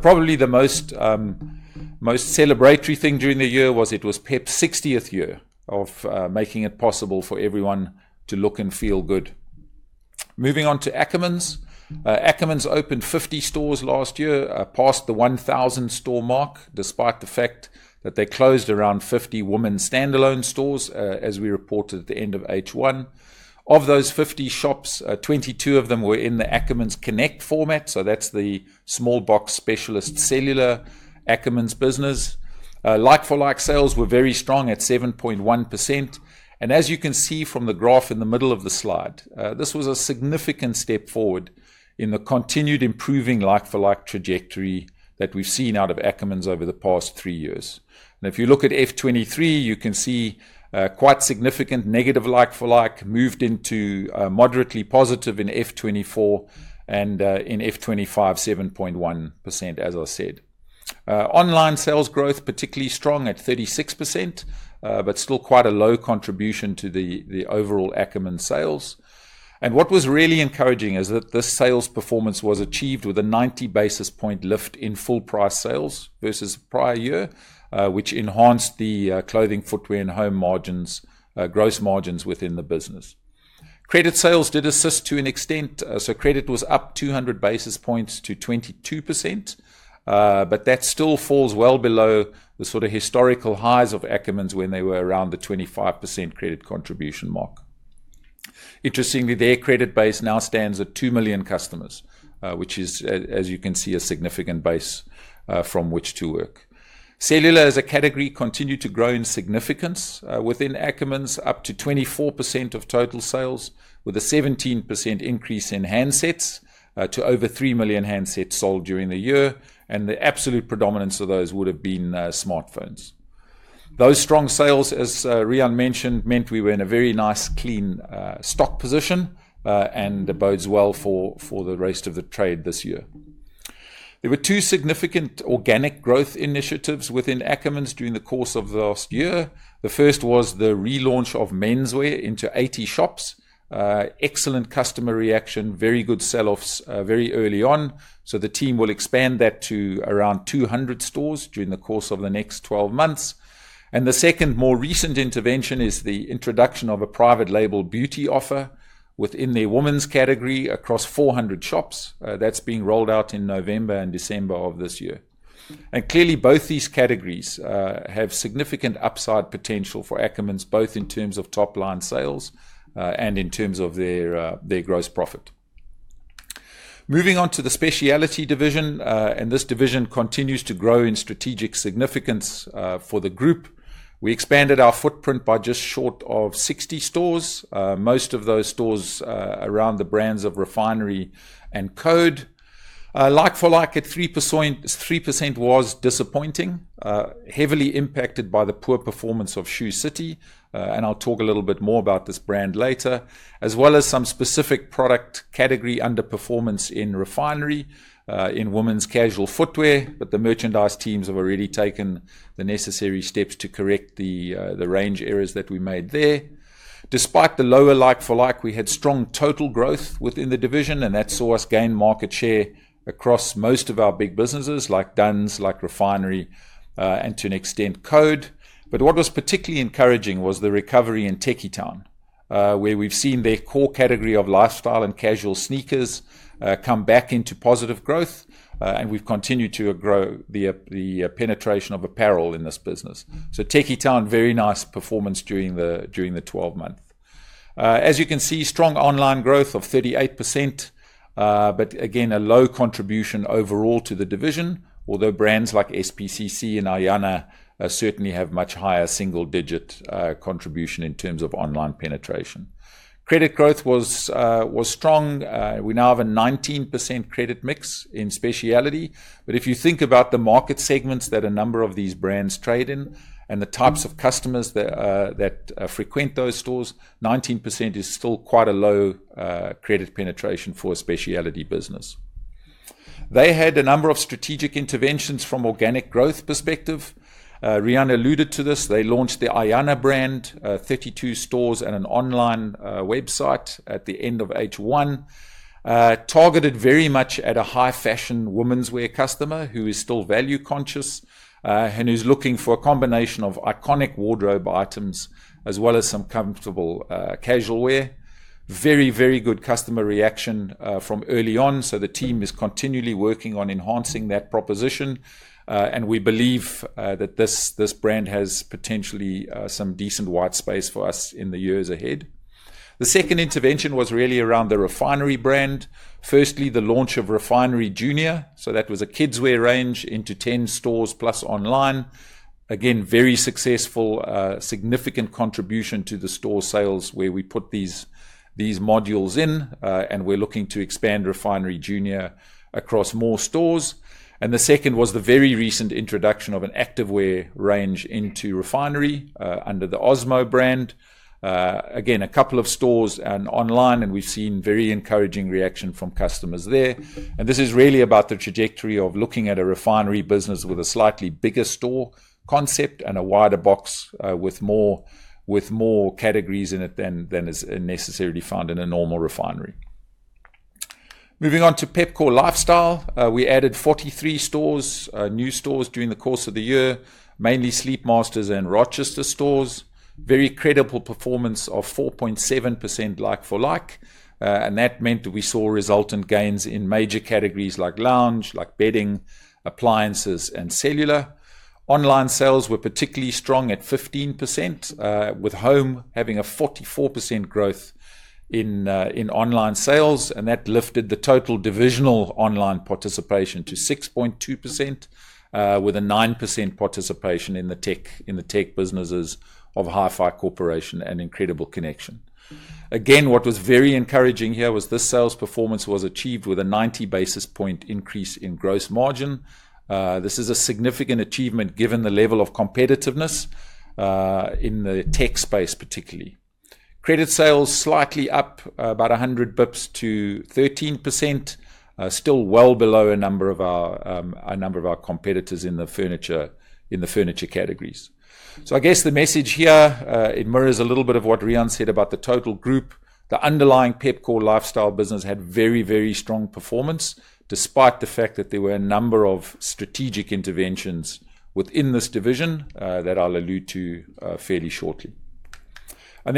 Probably the most celebratory thing during the year was it was PEP's 60th year of making it possible for everyone to look and feel good. Moving on to Ackermans. Ackermans opened 50 stores last year, passed the 1,000 store mark despite the fact that they closed around 50 women's standalone stores, as we reported at the end of H1. Of those 50 shops, 22 of them were in the Ackermans Connect format, so that's the small box specialist cellular Ackermans business. Like-for-like sales were very strong at 7.1%. As you can see from the graph in the middle of the slide, this was a significant step forward in the continued improving like-for-like trajectory that we've seen out of Ackermans over the past three years. If you look at F2023, you can see quite significant negative like-for-like moved into moderately positive in F2024 and in F2025, 7.1%, as I said. Online sales growth particularly strong at 36%, but still quite a low contribution to the overall Ackermans sales. What was really encouraging is that this sales performance was achieved with a 90 basis point lift in full price sales versus prior year, which enhanced the clothing, footwear, and home margins, gross margins within the business. Credit sales did assist to an extent, so credit was up 200 basis points to 22%, but that still falls well below the sort of historical highs of Ackermans when they were around the 25% credit contribution mark. Interestingly, their credit base now stands at 2 million customers, which is, as you can see, a significant base from which to work. Cellular, as a category, continued to grow in significance within Ackermans, up to 24% of total sales, with a 17% increase in handsets to over 3 million handsets sold during the year, and the absolute predominance of those would have been smartphones. Those strong sales, as Riaan mentioned, meant we were in a very nice clean stock position and bodes well for the rest of the trade this year. There were two significant organic growth initiatives within Ackermans during the course of last year. The first was the relaunch of menswear into 80 shops. Excellent customer reaction, very good sell-offs very early on, so the team will expand that to around 200 stores during the course of the next 12 months. The second more recent intervention is the introduction of a private label beauty offer within their women's category across 400 shops. That is being rolled out in November and December of this year. Clearly, both these categories have significant upside potential for Ackermans, both in terms of top-line sales and in terms of their gross profit. Moving on to the Speciality division, and this division continues to grow in strategic significance for the group. We expanded our footprint by just short of 60 stores, most of those stores around the brands of Refinery and CODE. Like-for-like at 3% was disappointing, heavily impacted by the poor performance of Shoe City, and I'll talk a little bit more about this brand later, as well as some specific product category underperformance in Refinery in women's casual footwear, but the merchandise teams have already taken the necessary steps to correct the range errors that we made there. Despite the lower like-for-like, we had strong total growth within the division, and that saw us gain market share across most of our big businesses like Dunns, like Refinery, and to an extent CODE. What was particularly encouraging was the recovery in Tekkie Town, where we've seen their core category of lifestyle and casual sneakers come back into positive growth, and we've continued to grow the penetration of apparel in this business. Tekkie Town, very nice performance during the 12 month. As you can see, strong online growth of 38%, but again, a low contribution overall to the division, although brands like S.P.C.C and AYANA certainly have much higher single-digit contribution in terms of online penetration. Credit growth was strong. We now have a 19% credit mix in Speciality, but if you think about the market segments that a number of these brands trade in and the types of customers that frequent those stores, 19% is still quite a low credit penetration for a Speciality business. They had a number of strategic interventions from organic growth perspective. Riaan alluded to this. They launched the AYANA brand, 32 stores and an online website at the end of H1, targeted very much at a high-fashion women's wear customer who is still value-conscious and who's looking for a combination of iconic wardrobe items as well as some comfortable casual wear. Very, very good customer reaction from early on, so the team is continually working on enhancing that proposition, and we believe that this brand has potentially some decent white space for us in the years ahead. The second intervention was really around the Refinery brand. Firstly, the launch of RFNRY JNR, so that was a kids' wear range into 10 stores+ online. Again, very successful, significant contribution to the store sales where we put these modules in, and we're looking to expand RFNRY JNR across more stores. The second was the very recent introduction of an activewear range into Refinery under the OSMO brand. Again, a couple of stores and online, and we've seen very encouraging reaction from customers there. This is really about the trajectory of looking at a Refinery business with a slightly bigger store concept and a wider box with more categories in it than is necessarily found in a normal Refinery. Moving on to Pepkor Lifestyle, we added 43 new stores during the course of the year, mainly Sleepmasters and Rochester stores. Very credible performance of 4.7% like-for-like, and that meant that we saw resultant gains in major categories like lounge, like bedding, appliances, and cellular. Online sales were particularly strong at 15%, with Home having a 44% growth in online sales, and that lifted the total divisional online participation to 6.2%, with a 9% participation in the tech businesses of HiFi Corporation and Incredible Connection. Again, what was very encouraging here was this sales performance was achieved with a 90 basis point increase in gross margin. This is a significant achievement given the level of competitiveness in the tech space, particularly. Credit sales slightly up about 100 bps to 13%, still well below a number of our competitors in the furniture categories. I guess the message here mirrors a little bit of what Riaan said about the total group. The underlying Pepkor Lifestyle business had very, very strong performance despite the fact that there were a number of strategic interventions within this division that I'll allude to fairly shortly.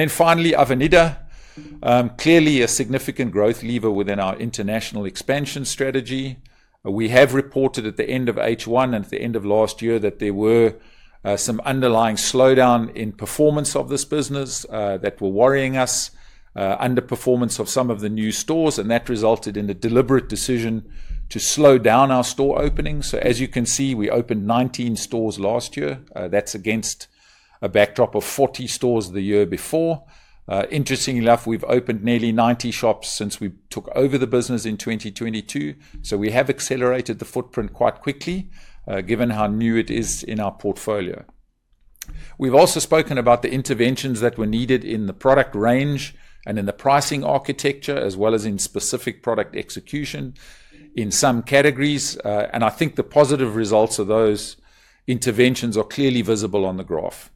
Finally, Avenida, clearly a significant growth lever within our international expansion strategy. We have reported at the end of H1 and at the end of last year that there were some underlying slowdown in performance of this business that were worrying us, underperformance of some of the new stores, and that resulted in a deliberate decision to slow down our store openings. As you can see, we opened 19 stores last year. That is against a backdrop of 40 stores the year before. Interestingly enough, we have opened nearly 90 shops since we took over the business in 2022, so we have accelerated the footprint quite quickly given how new it is in our portfolio. We've also spoken about the interventions that were needed in the product range and in the pricing architecture, as well as in specific product execution in some categories, and I think the positive results of those interventions are clearly visible on the graph.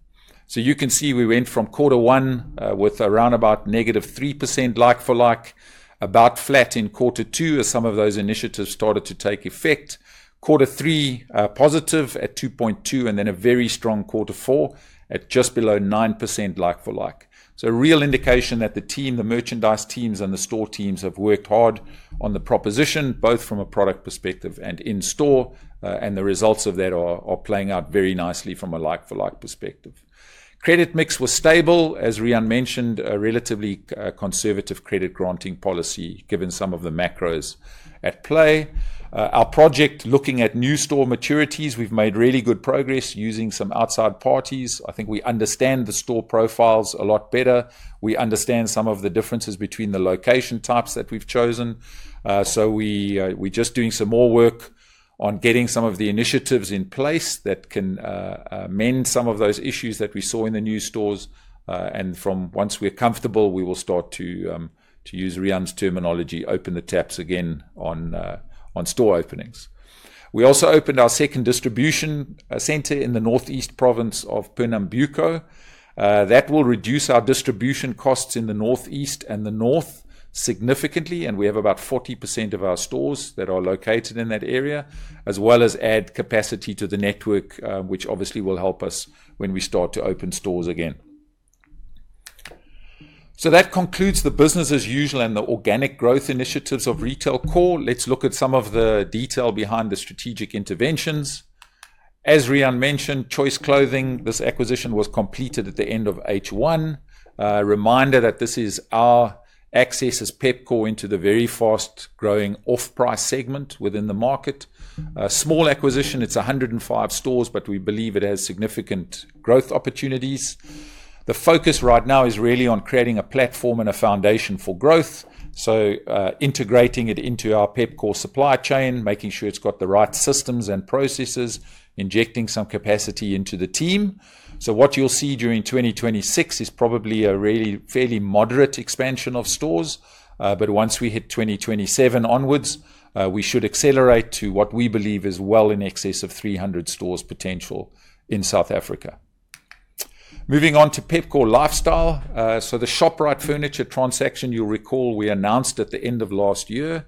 You can see we went from quarter one with around about -3% like-for-like, about flat in quarter two as some of those initiatives started to take effect, quarter three positive at 2.2%, and then a very strong quarter four at just below 9% like-for-like. A real indication that the team, the merchandise teams, and the store teams have worked hard on the proposition, both from a product perspective and in-store, and the results of that are playing out very nicely from a like-for-like perspective. Credit mix was stable, as Riaan mentioned, a relatively conservative credit granting policy given some of the macros at play. Our project looking at new store maturities, we've made really good progress using some outside parties. I think we understand the store profiles a lot better. We understand some of the differences between the location types that we've chosen, so we're just doing some more work on getting some of the initiatives in place that can mend some of those issues that we saw in the new stores, and once we're comfortable, we will start to use Riaan's terminology, open the taps again on store openings. We also opened our second distribution center in the northeast province of Pernambuco. That will reduce our distribution costs in the northeast and the north significantly, and we have about 40% of our stores that are located in that area, as well as add capacity to the network, which obviously will help us when we start to open stores again. That concludes the business as usual and the organic growth initiatives of retail core. Let's look at some of the detail behind the strategic interventions. As Riaan mentioned, Choice Clothing, this acquisition was completed at the end of H1. Reminder that this is our access as Pepkor into the very fast-growing off-price segment within the market. Small acquisition, it's 105 stores, but we believe it has significant growth opportunities. The focus right now is really on creating a platform and a foundation for growth, so integrating it into our Pepkor supply chain, making sure it's got the right systems and processes, injecting some capacity into the team. What you'll see during 2026 is probably a fairly moderate expansion of stores, but once we hit 2027 onwards, we should accelerate to what we believe is well in excess of 300 stores potential in South Africa. Moving on to Pepkor Lifestyle, the Shoprite Furniture transaction, you'll recall we announced at the end of last year.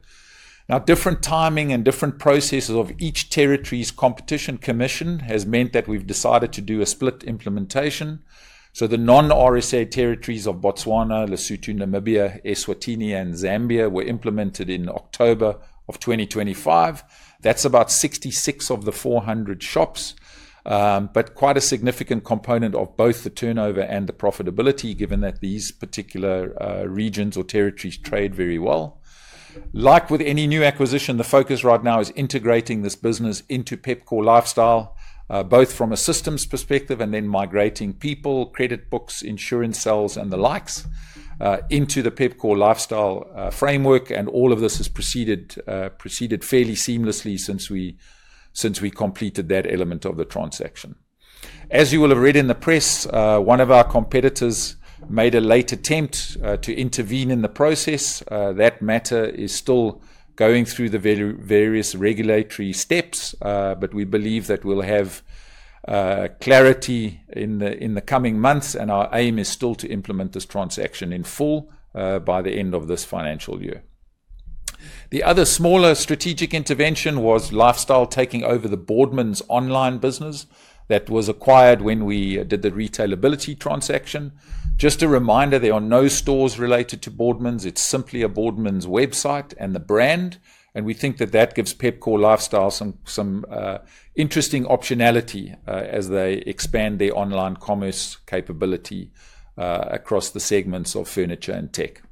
Now, different timing and different processes of each territory's competition commission has meant that we've decided to do a split implementation. The non-RSA territories of Botswana, Lesotho, Namibia, Eswatini, and Zambia were implemented in October of 2025. That's about 66 of the 400 shops, but quite a significant component of both the turnover and the profitability, given that these particular regions or territories trade very well. Like with any new acquisition, the focus right now is integrating this business into Pepkor Lifestyle, both from a systems perspective and then migrating people, credit books, insurance sales, and the likes into the Pepkor Lifestyle framework, and all of this has proceeded fairly seamlessly since we completed that element of the transaction. As you will have read in the press, one of our competitors made a late attempt to intervene in the process. That matter is still going through the various regulatory steps, but we believe that we'll have clarity in the coming months, and our aim is still to implement this transaction in full by the end of this financial year. The other smaller strategic intervention was Lifestyle taking over the Boardmans online business that was acquired when we did the Retailability transaction. Just a reminder, there are no stores related to Boardmans. It's simply a Boardmans website and the brand, and we think that that gives Pepkor Lifestyle some interesting optionality as they expand their online commerce capability across the segments of furniture and tech.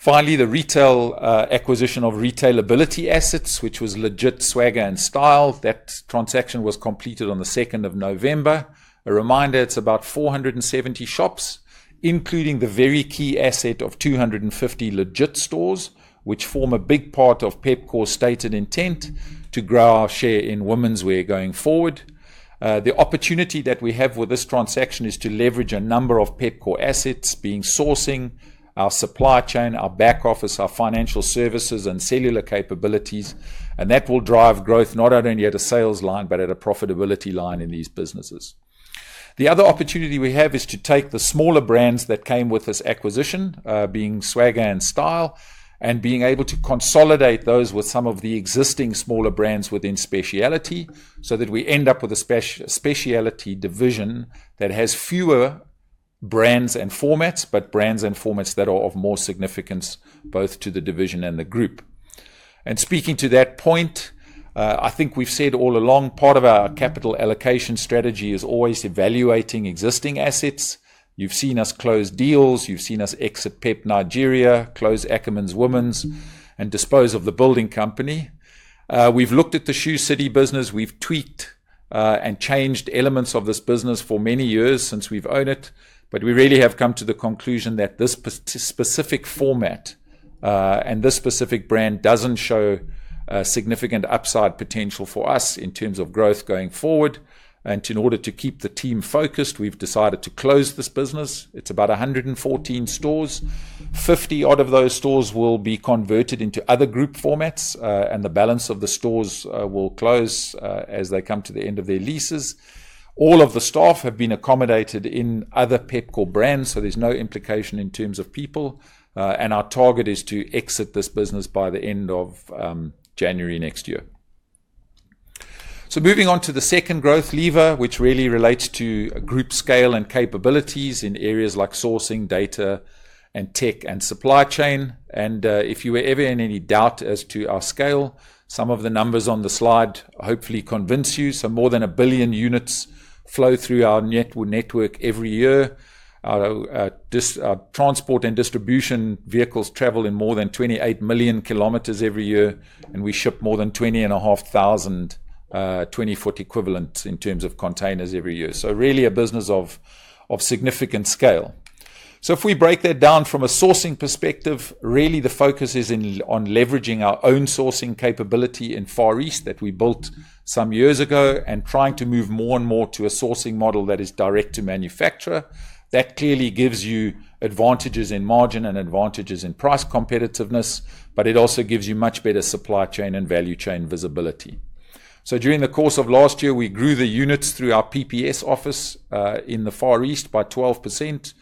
Finally, the retail acquisition of Retailability assets, which was Legit, Swagga, and Style. That transaction was completed on the 2nd of November. A reminder, it's about 470 shops, including the very key asset of 250 Legit stores, which form a big part of Pepkor's stated intent to grow our share in womenswear going forward. The opportunity that we have with this transaction is to leverage a number of Pepkor assets being sourcing, our supply chain, our back office, our financial services, and cellular capabilities, and that will drive growth not only at a sales line but at a profitability line in these businesses. The other opportunity we have is to take the smaller brands that came with this acquisition, being Swagga and Style, and being able to consolidate those with some of the existing smaller brands within Speciality so that we end up with a Speciality division that has fewer brands and formats but brands and formats that are of more significance both to the division and the group. Speaking to that point, I think we've said all along part of our capital allocation strategy is always evaluating existing assets. You've seen us close deals. You've seen us exit PEP Nigeria, close Ackermans Women's, and dispose of the building company. We've looked at the Shoe City business. We've tweaked and changed elements of this business for many years since we've owned it, but we really have come to the conclusion that this specific format and this specific brand doesn't show significant upside potential for us in terms of growth going forward. In order to keep the team focused, we've decided to close this business. It's about 114 stores. Fifty out of those stores will be converted into other group formats, and the balance of the stores will close as they come to the end of their leases. All of the staff have been accommodated in other Pepkor brands, so there's no implication in terms of people, and our target is to exit this business by the end of January next year. Moving on to the second growth lever, which really relates to group scale and capabilities in areas like sourcing, data, and tech and supply chain. If you were ever in any doubt as to our scale, some of the numbers on the slide hopefully convince you. More than 1 billion units flow through our network every year. Transport and distribution vehicles travel more than 28 million kilometers every year, and we ship more than 20,500 2040 equivalents in terms of containers every year. Really a business of significant scale. If we break that down from a sourcing perspective, really the focus is on leveraging our own sourcing capability in Far East that we built some years ago and trying to move more and more to a sourcing model that is direct to manufacturer. That clearly gives you advantages in margin and advantages in price competitiveness, but it also gives you much better supply chain and value chain visibility. During the course of last year, we grew the units through our PPS office in the Far East by 12%.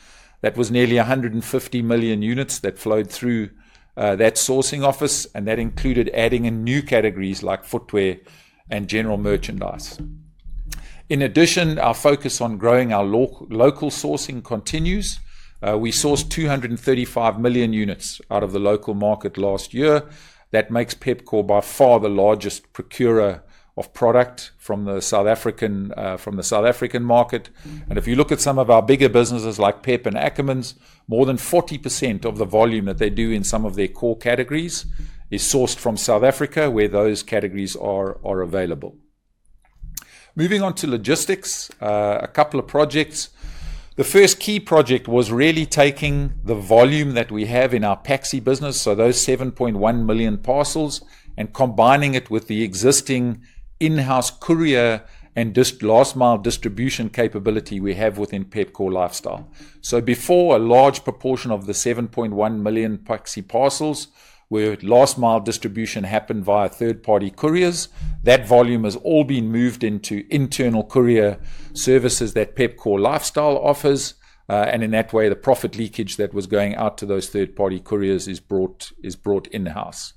That was nearly 150 million units that flowed through that sourcing office, and that included adding in new categories like footwear and general merchandise. In addition, our focus on growing our local sourcing continues. We sourced 235 million units out of the local market last year. That makes Pepkor by far the largest procurer of product from the South African market. If you look at some of our bigger businesses like PEP and Ackermans, more than 40% of the volume that they do in some of their core categories is sourced from South Africa where those categories are available. Moving on to logistics, a couple of projects. The first key project was really taking the volume that we have in our PAXI business, so those 7.1 million parcels, and combining it with the existing in-house courier and last-mile distribution capability we have within Pepkor Lifestyle. Before, a large proportion of the 7.1 million PAXI parcels where last-mile distribution happened via third-party couriers, that volume has all been moved into internal courier services that Pepkor Lifestyle offers, and in that way, the profit leakage that was going out to those third-party couriers is brought in-house.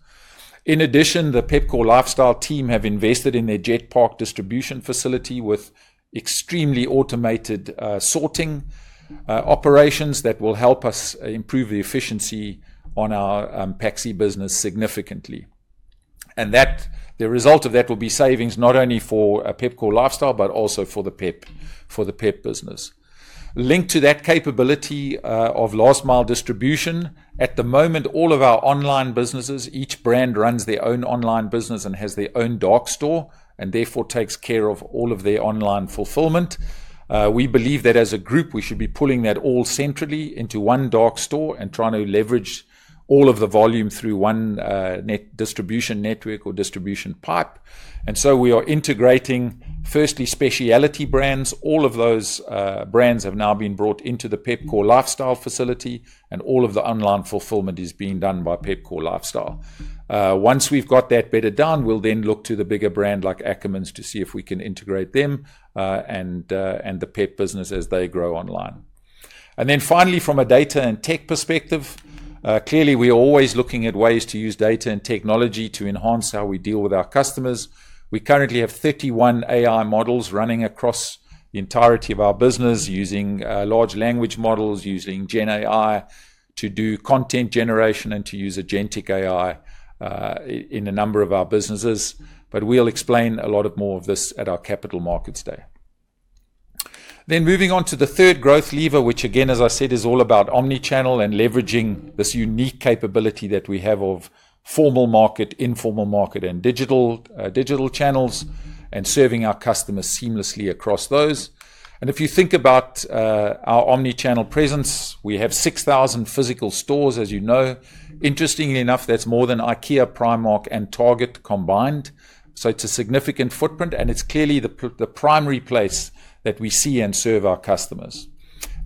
In addition, the Pepkor Lifestyle team have invested in their Jet Park distribution facility with extremely automated sorting operations that will help us improve the efficiency on our PAXI business significantly. The result of that will be savings not only for Pepkor Lifestyle but also for the PEP business. Linked to that capability of last-mile distribution, at the moment, all of our online businesses, each brand runs their own online business and has their own dark store and therefore takes care of all of their online fulfillment. We believe that as a group, we should be pulling that all centrally into one dark store and trying to leverage all of the volume through one distribution network or distribution pipe. We are integrating, firstly, Speciality brands. All of those brands have now been brought into the Pepkor Lifestyle facility, and all of the online fulfillment is being done by Pepkor Lifestyle. Once we've got that better done, we'll then look to the bigger brand like Ackermans to see if we can integrate them and the PEP business as they grow online. Finally, from a data and tech perspective, clearly we are always looking at ways to use data and technology to enhance how we deal with our customers. We currently have 31 AI models running across the entirety of our business using large language models, using GenAI to do content generation and to use agentic AI in a number of our businesses, but we'll explain a lot more of this at our Capital Markets Day. Moving on to the third growth lever, which again, as I said, is all about omnichannel and leveraging this unique capability that we have of formal market, informal market, and digital channels and serving our customers seamlessly across those. If you think about our omnichannel presence, we have 6,000 physical stores, as you know. Interestingly enough, that's more than Ikea, Primark, and Target combined, so it's a significant footprint, and it's clearly the primary place that we see and serve our customers.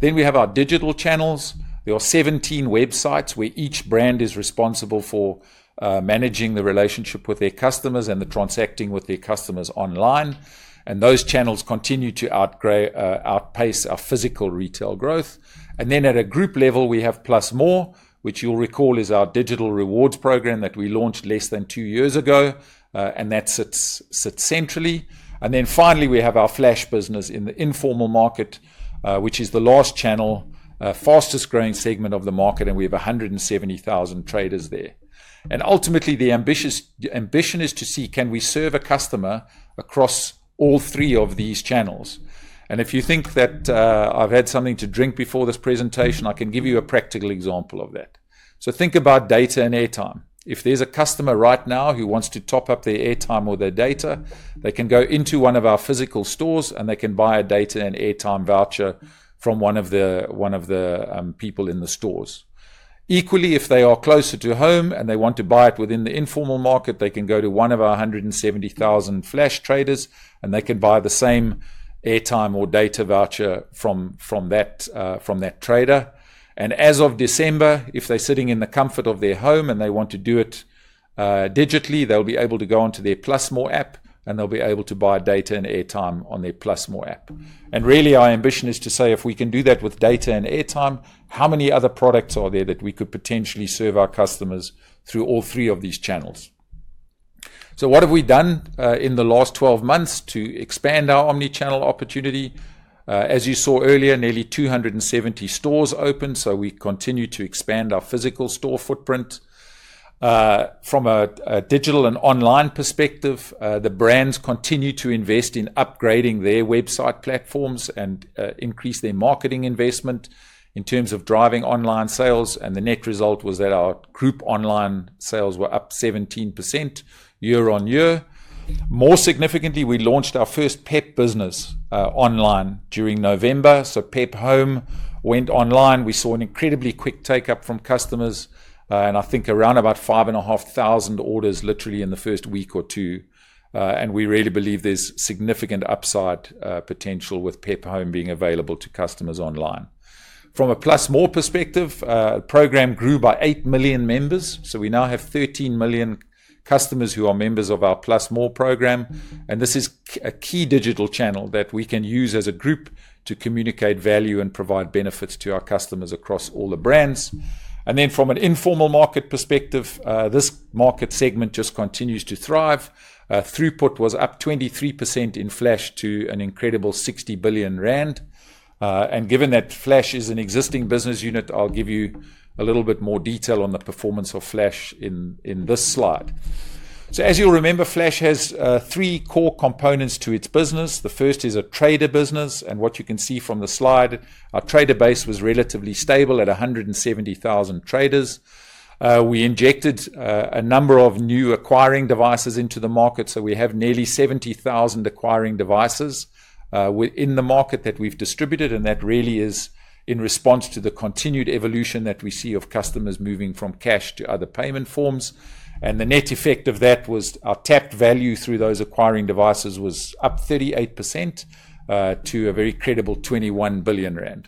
We have our digital channels. There are 17 websites where each brand is responsible for managing the relationship with their customers and the transacting with their customers online, and those channels continue to outpace our physical retail growth. At a group level, we have +more, which you'll recall is our digital rewards program that we launched less than two years ago, and that sits centrally. Finally, we have our Flash business in the informal market, which is the last channel, fastest growing segment of the market, and we have 170,000 traders there. Ultimately, the ambition is to see can we serve a customer across all three of these channels. If you think that I've had something to drink before this presentation, I can give you a practical example of that. Think about data and airtime. If there's a customer right now who wants to top up their airtime or their data, they can go into one of our physical stores and they can buy a data and airtime voucher from one of the people in the stores. Equally, if they are closer to home and they want to buy it within the informal market, they can go to one of our 170,000 Flash traders and they can buy the same airtime or data voucher from that trader. As of December, if they're sitting in the comfort of their home and they want to do it digitally, they'll be able to go onto their +more app and they'll be able to buy data and airtime on their +more app. Really, our ambition is to say if we can do that with data and airtime, how many other products are there that we could potentially serve our customers through all three of these channels? What have we done in the last 12 months to expand our omnichannel opportunity? As you saw earlier, nearly 270 stores opened, so we continue to expand our physical store footprint. From a digital and online perspective, the brands continue to invest in upgrading their website platforms and increase their marketing investment in terms of driving online sales, and the net result was that our group online sales were up 17% year on year. More significantly, we launched our first PEP business online during November, so PEP Home went online. We saw an incredibly quick take-up from customers, and I think around about 5,500 orders literally in the first week or two, and we really believe there's significant upside potential with PEP Home being available to customers online. From a +more perspective, the program grew by 8 million members, so we now have 13 million customers who are members of our +more program, and this is a key digital channel that we can use as a group to communicate value and provide benefits to our customers across all the brands. From an informal market perspective, this market segment just continues to thrive. Throughput was up 23% in Flash to an incredible 60 billion rand, and given that Flash is an existing business unit, I'll give you a little bit more detail on the performance of Flash in this slide. As you'll remember, Flash has three core components to its business. The first is a trader business, and what you can see from the slide, our trader base was relatively stable at 170,000 traders. We injected a number of new acquiring devices into the market, so we have nearly 70,000 acquiring devices in the market that we've distributed, and that really is in response to the continued evolution that we see of customers moving from cash to other payment forms. The net effect of that was our tapped value through those acquiring devices was up 38% to a very credible 21 billion rand.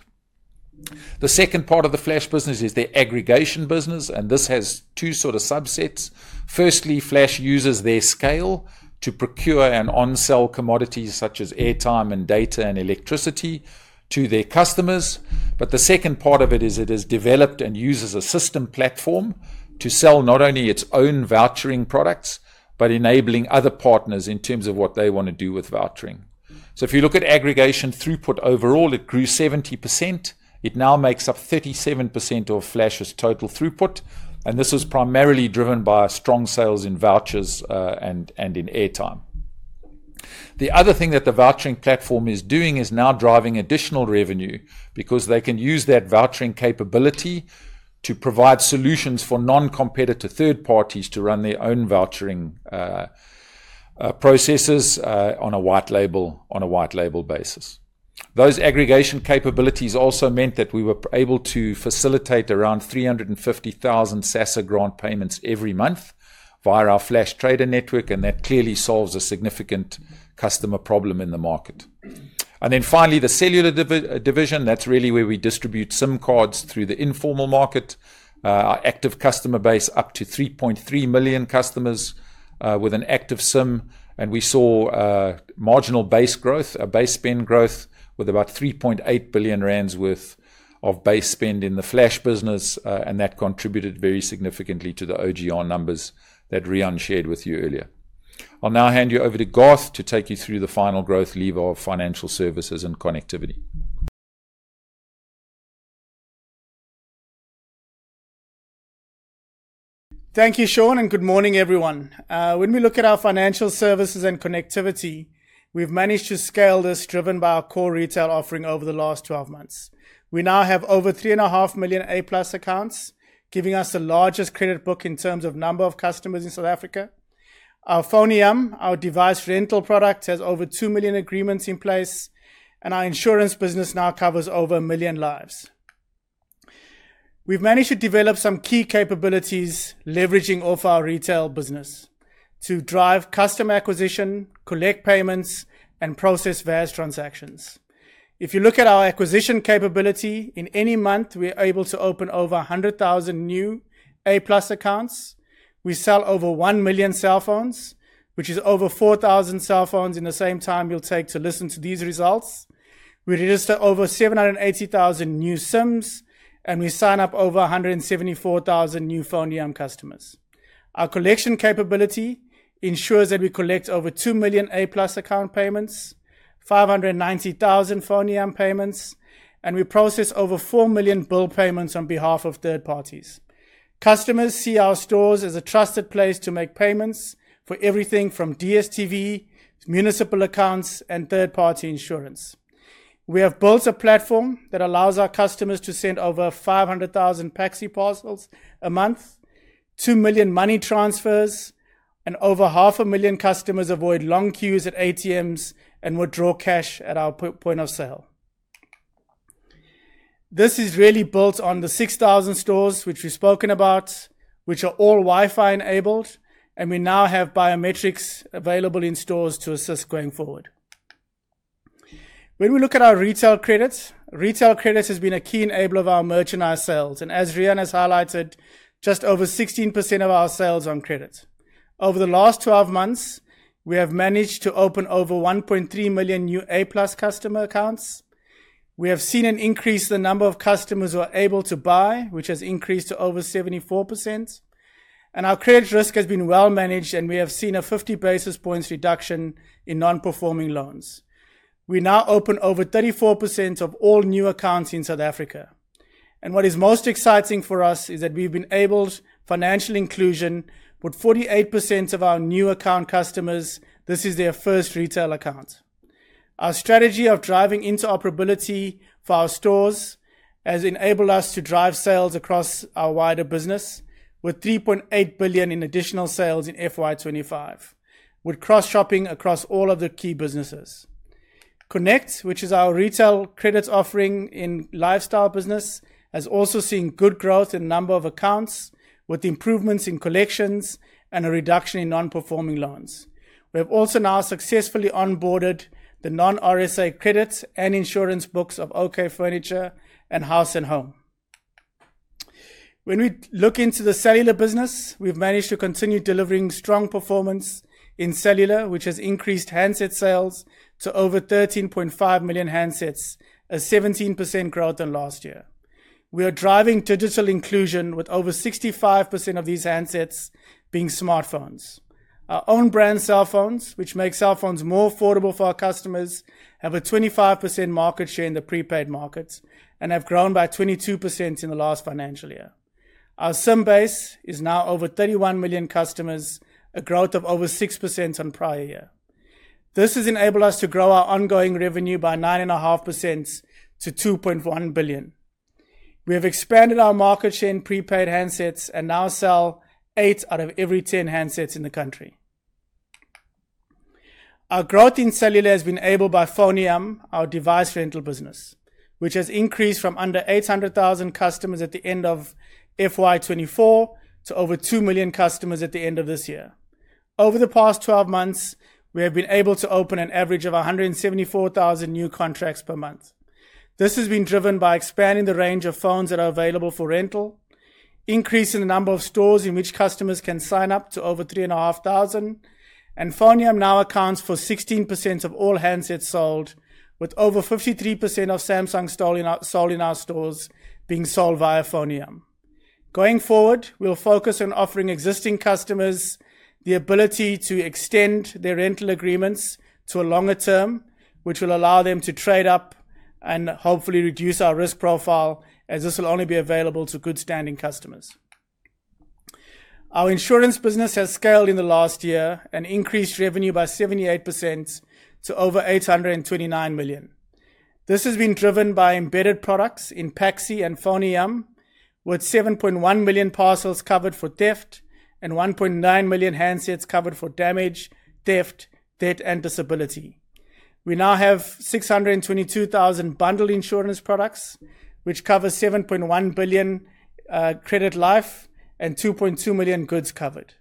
The second part of the Flash business is the aggregation business, and this has two sort of subsets. Firstly, Flash uses their scale to procure and onsell commodities such as airtime and data and electricity to their customers, but the second part of it is it has developed and uses a system platform to sell not only its own vouchering products but enabling other partners in terms of what they want to do with vouchering. If you look at aggregation throughput overall, it grew 70%. It now makes up 37% of Flash's total throughput, and this was primarily driven by strong sales in vouchers and in airtime. The other thing that the vouchering platform is doing is now driving additional revenue because they can use that vouchering capability to provide solutions for non-competitor third parties to run their own vouchering processes on a white label basis. Those aggregation capabilities also meant that we were able to facilitate around 350,000 SASSA grant payments every month via our Flash trader network, and that clearly solves a significant customer problem in the market. Finally, the cellular division, that's really where we distribute SIM cards through the informal market, our active customer base up to 3.3 million customers with an active SIM, and we saw marginal base growth, a base spend growth with about 3.8 billion rand worth of base spend in the Flash business, and that contributed very significantly to the OGR numbers that Riaan shared with you earlier. I'll now hand you over to Garth to take you through the final growth lever of financial services and connectivity. Thank you, Sean, and good morning, everyone. When we look at our financial services and connectivity, we've managed to scale this driven by our core retail offering over the last 12 months. We now have over 3.5 million A+ accounts, giving us the largest credit book in terms of number of customers in South Africa. Our FoneYam, our device rental product, has over 2 million agreements in place, and our insurance business now covers over 1 million lives. We've managed to develop some key capabilities leveraging off our retail business to drive customer acquisition, collect payments, and process various transactions. If you look at our acquisition capability, in any month, we're able to open over 100,000 new A+ accounts. We sell over 1 million cell phones, which is over 4,000 cell phones in the same time you'll take to listen to these results. We register over 780,000 new SIMs, and we sign up over 174,000 new FoneYam customers. Our collection capability ensures that we collect over 2 million A+ account payments, 590,000 FoneYam payments, and we process over 4 million bill payments on behalf of third parties. Customers see our stores as a trusted place to make payments for everything from DSTV, municipal accounts, and third-party insurance. We have built a platform that allows our customers to send over 500,000 PAXI parcels a month, 2 million money transfers, and over 500,000 customers avoid long queues at ATMs and withdraw cash at our point of sale. This is really built on the 6,000 stores which we've spoken about, which are all Wi-Fi enabled, and we now have biometrics available in stores to assist going forward. When we look at our retail credits, retail credits have been a key enabler of our merchandise sales, and as Riaan has highlighted, just over 16% of our sales are on credit. Over the last 12 months, we have managed to open over 1.3 million new A+ customer accounts. We have seen an increase in the number of customers who are able to buy, which has increased to over 74%, and our credit risk has been well managed, and we have seen a 50 basis points reduction in non-performing loans. We now open over 34% of all new accounts in South Africa, and what is most exciting for us is that we've been able to financially include 48% of our new account customers; this is their first retail account. Our strategy of driving interoperability for our stores has enabled us to drive sales across our wider business with 3.8 billion in additional sales in FY2025, with cross-shopping across all of the key businesses. Connect, which is our retail credits offering in lifestyle business, has also seen good growth in the number of accounts with improvements in collections and a reduction in non-performing loans. We have also now successfully onboarded the non-RSA credits and insurance books of OK Furniture and House & Home. When we look into the cellular business, we've managed to continue delivering strong performance in cellular, which has increased handset sales to over 13.5 million handsets, a 17% growth in last year. We are driving digital inclusion with over 65% of these handsets being smartphones. Our own brand cell phones, which make cell phones more affordable for our customers, have a 25% market share in the prepaid markets and have grown by 22% in the last financial year. Our SIM base is now over 31 million customers, a growth of over 6% on prior year. This has enabled us to grow our ongoing revenue by 9.5% to 2.1 billion. We have expanded our market share in prepaid handsets and now sell 8 out of every 10 handsets in the country. Our growth in cellular has been enabled by FoneYam, our device rental business, which has increased from under 800,000 customers at the end of FY2024 to over 2 million customers at the end of this year. Over the past 12 months, we have been able to open an average of 174,000 new contracts per month. This has been driven by expanding the range of phones that are available for rental, increasing the number of stores in which customers can sign up to over 3,500, and FoneYam now accounts for 16% of all handsets sold, with over 53% of Samsung sold in our stores being sold via FoneYam. Going forward, we'll focus on offering existing customers the ability to extend their rental agreements to a longer term, which will allow them to trade up and hopefully reduce our risk profile, as this will only be available to good-standing customers. Our insurance business has scaled in the last year and increased revenue by 78% to over 829 million. This has been driven by embedded products in PAXI and FoneYam, with 7.1 million parcels covered for theft and 1.9 million handsets covered for damage, theft, debt, and disability. We now have 622,000 bundled insurance products, which cover 7.1 billion credit life and 2.2 million goods covered.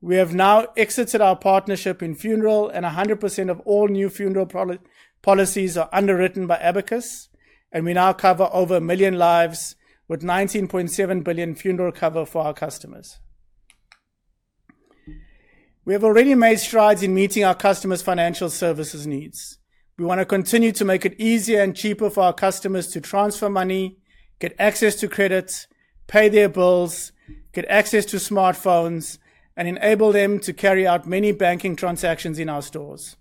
We have now exited our partnership in funeral, and 100% of all new funeral policies are underwritten by Abacus, and we now cover over a million lives with 19.7 billion funeral cover for our customers. We have already made strides in meeting our customers' financial services needs. We want to continue to make it easier and cheaper for our customers to transfer money, get access to credits, pay their bills, get access to smartphones, and enable them to carry out many banking transactions in our stores.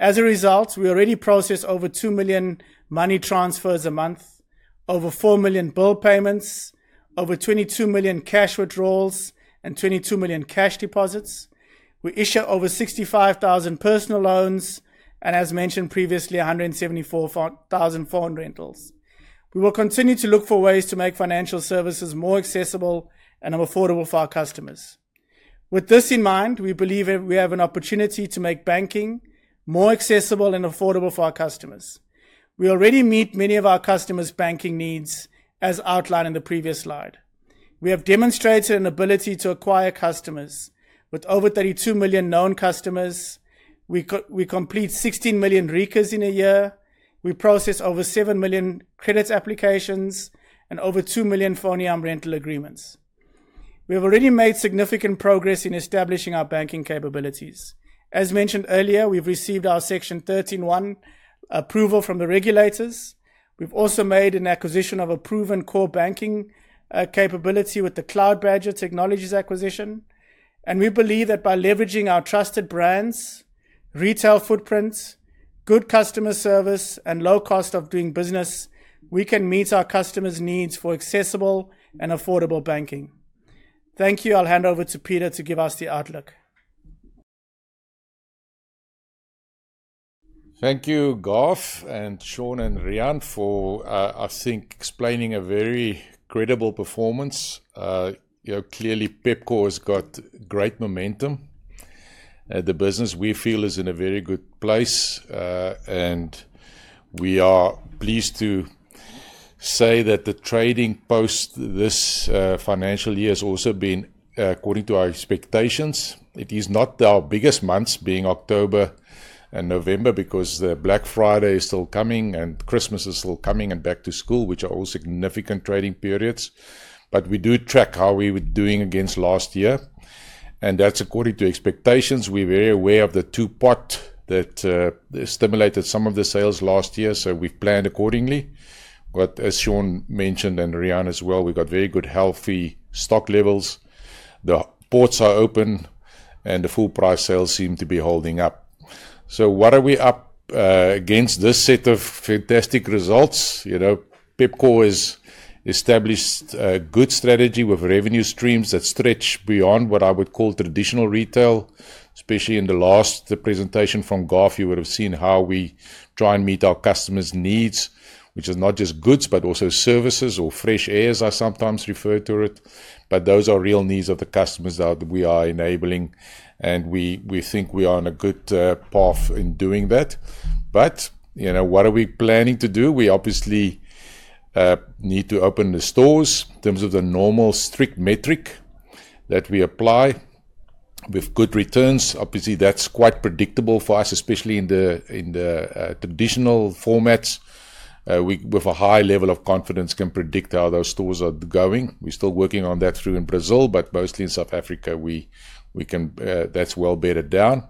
As a result, we already process over 2 million money transfers a month, over 4 million bill payments, over 22 million cash withdrawals, and 22 million cash deposits. We issue over 65,000 personal loans and, as mentioned previously, 174,000 phone rentals. We will continue to look for ways to make financial services more accessible and more affordable for our customers. With this in mind, we believe we have an opportunity to make banking more accessible and affordable for our customers. We already meet many of our customers' banking needs, as outlined in the previous slide. We have demonstrated an ability to acquire customers. With over 32 million known customers, we complete 16 million RECAs in a year, we process over 7 million credit applications, and over 2 million FoneYam rental agreements. We have already made significant progress in establishing our banking capabilities. As mentioned earlier, we've received our Section 13(1) approval from the regulators. We've also made an acquisition of a proven core banking capability with the CloudBadger technologies acquisition, and we believe that by leveraging our trusted brands, retail footprints, good customer service, and low cost of doing business, we can meet our customers' needs for accessible and affordable banking. Thank you. I'll hand over to Pieter to give us the outlook. Thank you, Garth, and Sean and Riaan for, I think, explaining a very credible performance. Clearly, Pepkor has got great momentum. The business we feel is in a very good place, and we are pleased to say that the trading post this financial year has also been according to our expectations. It is not our biggest months, being October and November, because Black Friday is still coming and Christmas is still coming and back to school, which are all significant trading periods, but we do track how we were doing against last year, and that's according to expectations. We're very aware of the two pot that stimulated some of the sales last year, so we've planned accordingly. As Sean mentioned and Riaan as well, we got very good, healthy stock levels. The ports are open, and the full price sales seem to be holding up. What are we up against? This set of fantastic results. Pepkor has established a good strategy with revenue streams that stretch beyond what I would call traditional retail, especially in the last presentation from Garth. You would have seen how we try and meet our customers' needs, which are not just goods but also services or fresh airs, as I sometimes refer to it, but those are real needs of the customers that we are enabling, and we think we are on a good path in doing that. What are we planning to do? We obviously need to open the stores in terms of the normal strict metric that we apply with good returns. Obviously, that's quite predictable for us, especially in the traditional formats. With a high level of confidence, we can predict how those stores are going. We're still working on that through in Brazil, but mostly in South Africa, that's well bedded down.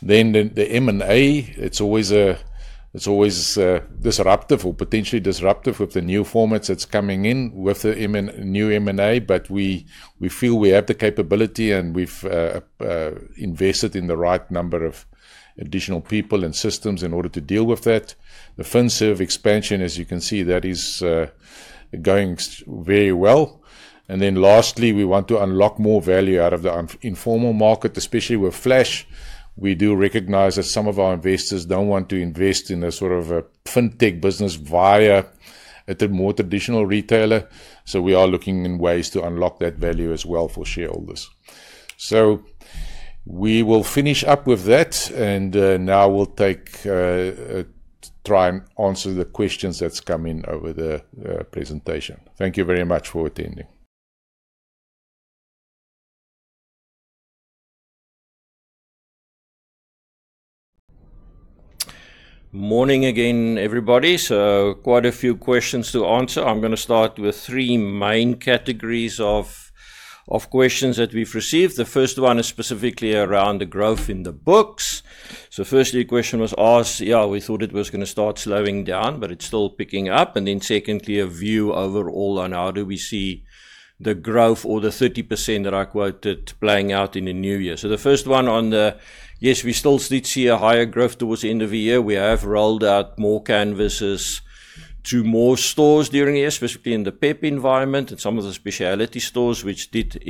The M&A, it's always disruptive or potentially disruptive with the new formats that's coming in with the new M&A, but we feel we have the capability, and we've invested in the right number of additional people and systems in order to deal with that. The FinServ expansion, as you can see, that is going very well. Lastly, we want to unlock more value out of the informal market, especially with Flash. We do recognize that some of our investors don't want to invest in a sort of a fintech business via a more traditional retailer, so we are looking in ways to unlock that value as well for shareholders. We will finish up with that, and now we'll try and answer the questions that's come in over the presentation. Thank you very much for attending. Morning again, everybody. Quite a few questions to answer. I'm going to start with three main categories of questions that we've received. The first one is specifically around the growth in the books. Firstly, a question was asked, yeah, we thought it was going to start slowing down, but it's still picking up. Secondly, a view overall on how do we see the growth or the 30% that I quoted playing out in the new year. The first one on the, yes, we still did see a higher growth towards the end of the year. We have rolled out more canvases to more stores during the year, specifically in the PEP environment and some of the Speciality stores, which did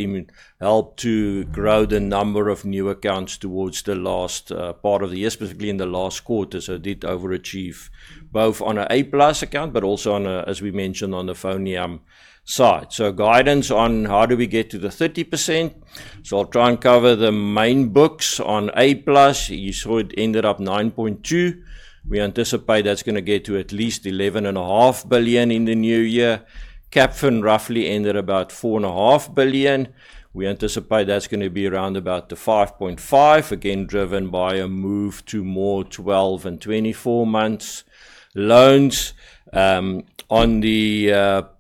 help to grow the number of new accounts towards the last part of the year, specifically in the last quarter. It did overachieve both on an A+ account, but also on, as we mentioned, on the FoneYam side. Guidance on how do we get to the 30%? I'll try and cover the main books on A+. You saw it ended up 9.2 billion. We anticipate that's going to get to at least 11.5 billion in the new year. Capfin, roughly, ended about 4.5 billion. We anticipate that's going to be around about the 5.5 billion, again driven by a move to more 12- and 24-month loans. On the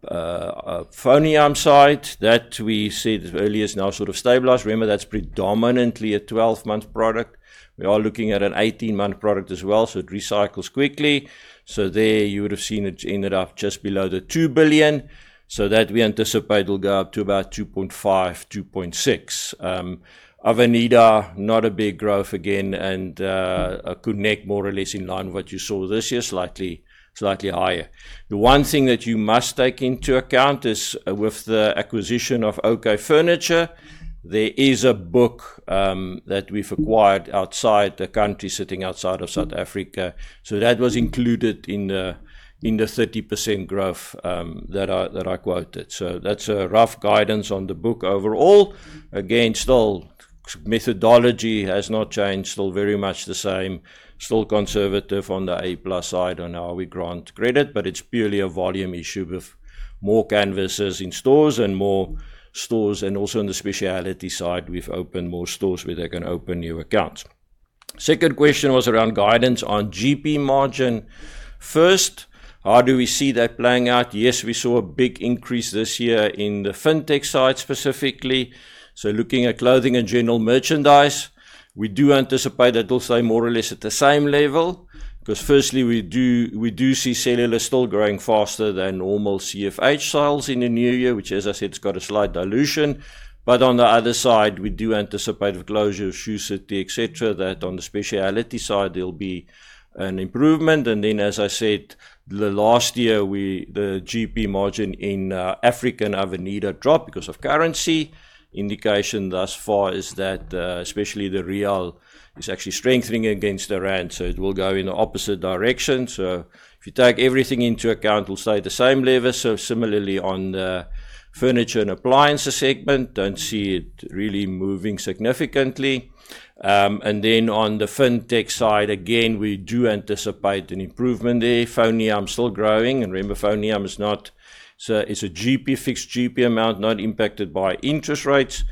FoneYam side, that we said earlier is now sort of stabilized. Remember, that's predominantly a 12-month product. We are looking at an 18-month product as well, so it recycles quickly. There, you would have seen it ended up just below the 2 billion. We anticipate that will go up to about 2.5-2.6 billion. Avenida, not a big growth again, and a connect more or less in line with what you saw this year, slightly higher. The one thing that you must take into account is with the acquisition of OK Furniture, there is a book that we've acquired outside the country, sitting outside of South Africa. That was included in the 30% growth that I quoted. That is a rough guidance on the book overall. Again, still, methodology has not changed, still very much the same, still conservative on the A+ side on how we grant credit, but it is purely a volume issue with more canvases in stores and more stores, and also in the Speciality side, we've opened more stores where they can open new accounts. Second question was around guidance on GP margin. First, how do we see that playing out? Yes, we saw a big increase this year in the fintech side specifically. Looking at clothing and general merchandise, we do anticipate that it'll stay more or less at the same level because firstly, we do see cellular still growing faster than normal CFH sales in the new year, which, as I said, it's got a slight dilution. On the other side, we do anticipate with closure of Shoe City, etc., that on the Speciality side, there'll be an improvement. As I said, last year, the GP margin in Africa and Avenida dropped because of currency. Indication thus far is that especially the real is actually strengthening against the rand, so it will go in the opposite direction. If you take everything into account, it'll stay the same level. Similarly, on the furniture and appliances segment, don't see it really moving significantly. On the fintech side, again, we do anticipate an improvement there. FoneYam is still growing, and remember, FoneYam is a fixed GP amount, not impacted by interest rates.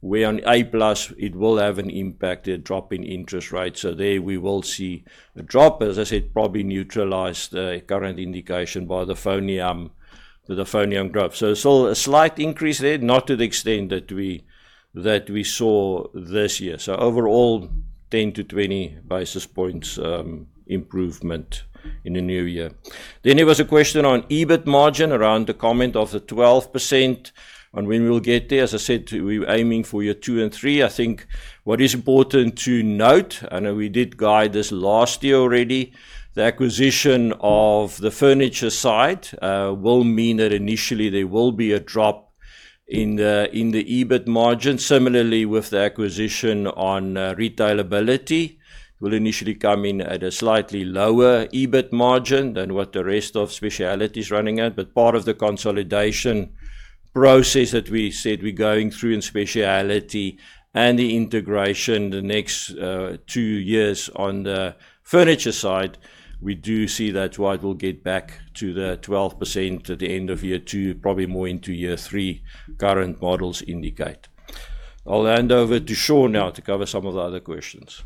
Where on A+, it will have an impact, a drop in interest rates. There, we will see a drop, as I said, probably neutralized, the current indication by the FoneYam growth. It is all a slight increase there, not to the extent that we saw this year. Overall, 10-20 basis points improvement in the new year. There was a question on EBIT margin around the comment of the 12% and when we will get there. As I said, we are aiming for year two and three. I think what is important to note, and we did guide this last year already, the acquisition of the furniture side will mean that initially there will be a drop in the EBIT margin. Similarly, with the acquisition on Retailability, it will initially come in at a slightly lower EBIT margin than what the rest of Speciality is running at. Part of the consolidation process that we said we're going through in Speciality and the integration the next two years on the furniture side, we do see that it will get back to the 12% at the end of year two, probably more into year three, current models indicate. I'll hand over to Sean now to cover some of the other questions.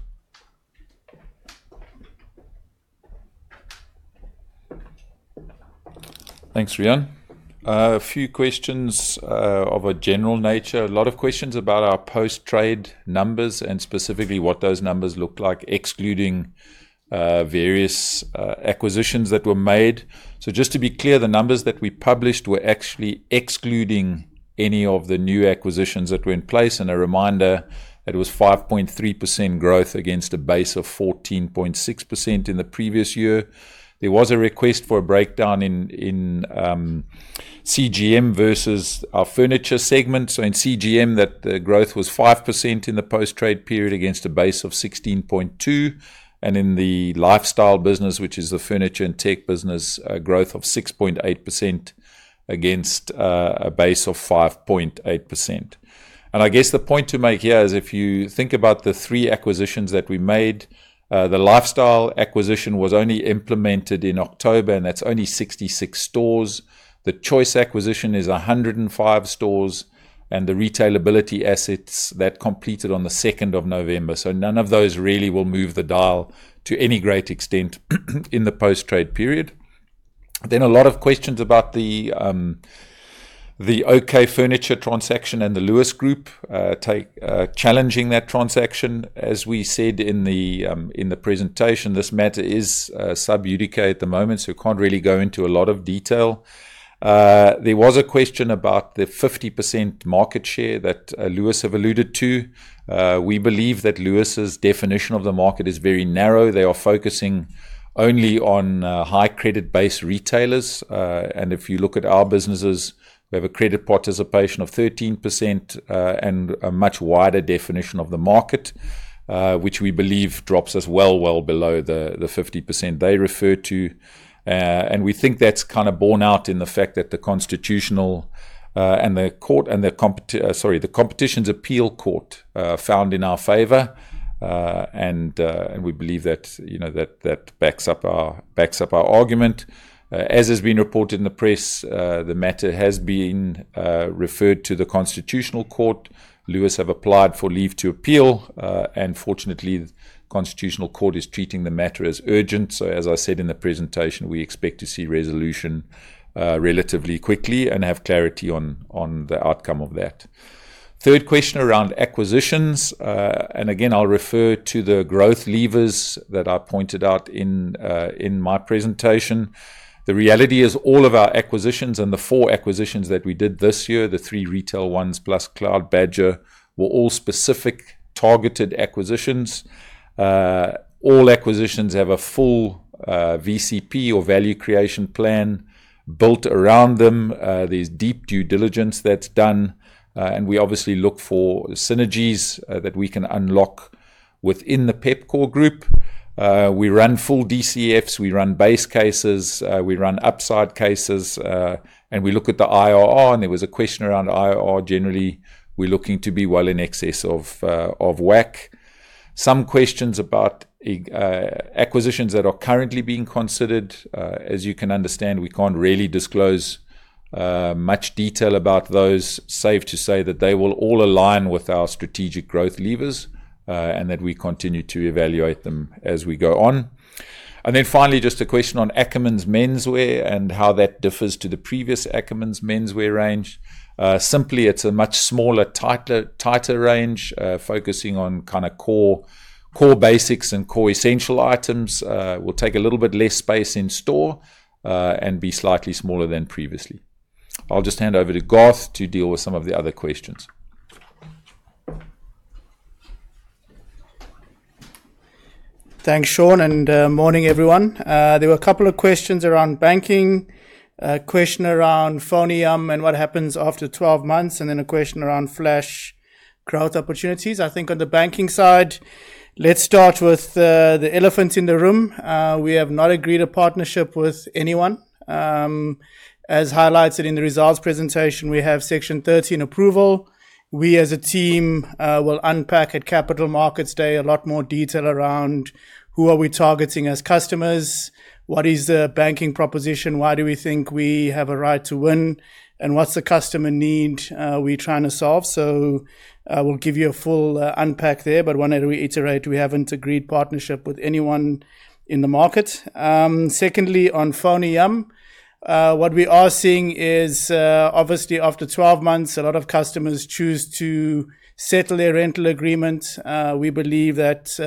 Thanks, Riaan. A few questions of a general nature. A lot of questions about our post-trade numbers and specifically what those numbers look like, excluding various acquisitions that were made. Just to be clear, the numbers that we published were actually excluding any of the new acquisitions that were in place. A reminder, it was 5.3% growth against a base of 14.6% in the previous year. There was a request for a breakdown in CGM versus our furniture segment. In CGM, the growth was 5% in the post-trade period against a base of 16.2, and in the lifestyle business, which is the furniture and tech business, a growth of 6.8% against a base of 5.8%. I guess the point to make here is if you think about the three acquisitions that we made, the lifestyle acquisition was only implemented in October, and that's only 66 stores. The Choice acquisition is 105 stores, and the Retailability assets that completed on the 2nd of November. None of those really will move the dial to any great extent in the post-trade period. There are a lot of questions about the OK Furniture transaction and the Lewis Group challenging that transaction. As we said in the presentation, this matter is sub judice at the moment, so we can't really go into a lot of detail. There was a question about the 50% market share that Lewis have alluded to. We believe that Lewis's definition of the market is very narrow. They are focusing only on high credit-based retailers. If you look at our businesses, we have a credit participation of 13% and a much wider definition of the market, which we believe drops as well, well below the 50% they refer to. We think that's kind of borne out in the fact that the constitutional and the court and the, sorry, the Competitions Appeal Court found in our favor. We believe that that backs up our argument. As has been reported in the press, the matter has been referred to the Constitutional Court. Lewis have applied for leave to appeal, and fortunately, the Constitutional Court is treating the matter as urgent. As I said in the presentation, we expect to see resolution relatively quickly and have clarity on the outcome of that. Third question around acquisitions. Again, I'll refer to the growth levers that I pointed out in my presentation. The reality is all of our acquisitions and the four acquisitions that we did this year, the three retail ones plus CloudBadger, were all specific targeted acquisitions. All acquisitions have a full VCP or value creation plan built around them. There's deep due diligence that's done, and we obviously look for synergies that we can unlock within the Pepkor group. We run full DCFs. We run base cases. We run upside cases. We look at the IRR, and there was a question around IRR. Generally, we're looking to be well in excess of WACC. Some questions about acquisitions that are currently being considered. As you can understand, we can't really disclose much detail about those, safe to say that they will all align with our strategic growth levers and that we continue to evaluate them as we go on. Finally, just a question on Ackermans menswear and how that differs to the previous Ackermans menswear range. Simply, it's a much smaller, tighter range, focusing on kind of core basics and core essential items. We'll take a little bit less space in store and be slightly smaller than previously. I'll just hand over to Garth to deal with some of the other questions. Thanks, Sean. Morning, everyone. There were a couple of questions around banking, a question around FoneYam and what happens after 12 months, and then a question around Flash growth opportunities. I think on the banking side, let's start with the elephant in the room. We have not agreed a partnership with anyone. As highlighted in the results presentation, we have Section 13 approval. We, as a team, will unpack at Capital Markets Day a lot more detail around who are we targeting as customers, what is the banking proposition, why do we think we have a right to win, and what's the customer need we're trying to solve. We'll give you a full unpack there, but wanted to reiterate we haven't agreed partnership with anyone in the market. Secondly, on FoneYam, what we are seeing is obviously after 12 months, a lot of customers choose to settle their rental agreements. We believe that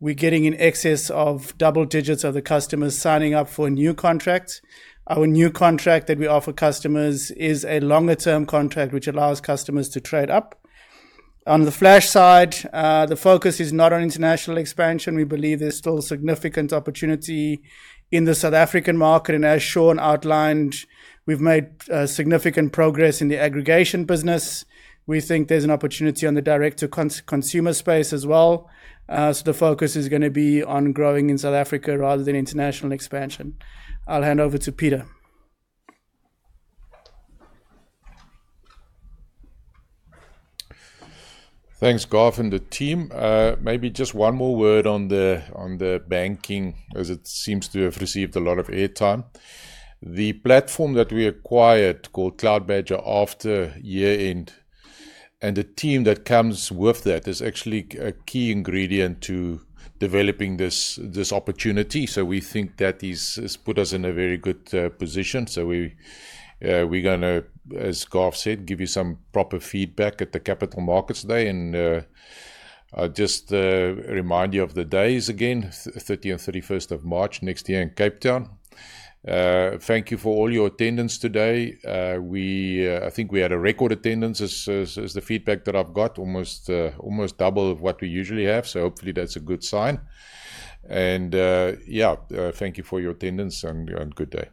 we're getting in excess of double digits of the customers signing up for new contracts. Our new contract that we offer customers is a longer-term contract, which allows customers to trade up. On the Flash side, the focus is not on international expansion. We believe there's still significant opportunity in the South African market. As Sean outlined, we've made significant progress in the aggregation business. We think there's an opportunity on the direct-to-consumer space as well. The focus is going to be on growing in South Africa rather than international expansion. I'll hand over to Pieter. Thanks, Garth and the team. Maybe just one more word on the banking, as it seems to have received a lot of airtime. The platform that we acquired called CloudBadger after year-end and the team that comes with that is actually a key ingredient to developing this opportunity. We think that this has put us in a very good position. We are going to, as Garth said, give you some proper feedback at the Capital Markets Day and just remind you of the days again, 30 and 31st of March next year in Cape Town. Thank you for all your attendance today. I think we had a record attendance, is the feedback that I've got, almost double what we usually have. Hopefully that's a good sign. Thank you for your attendance and good day.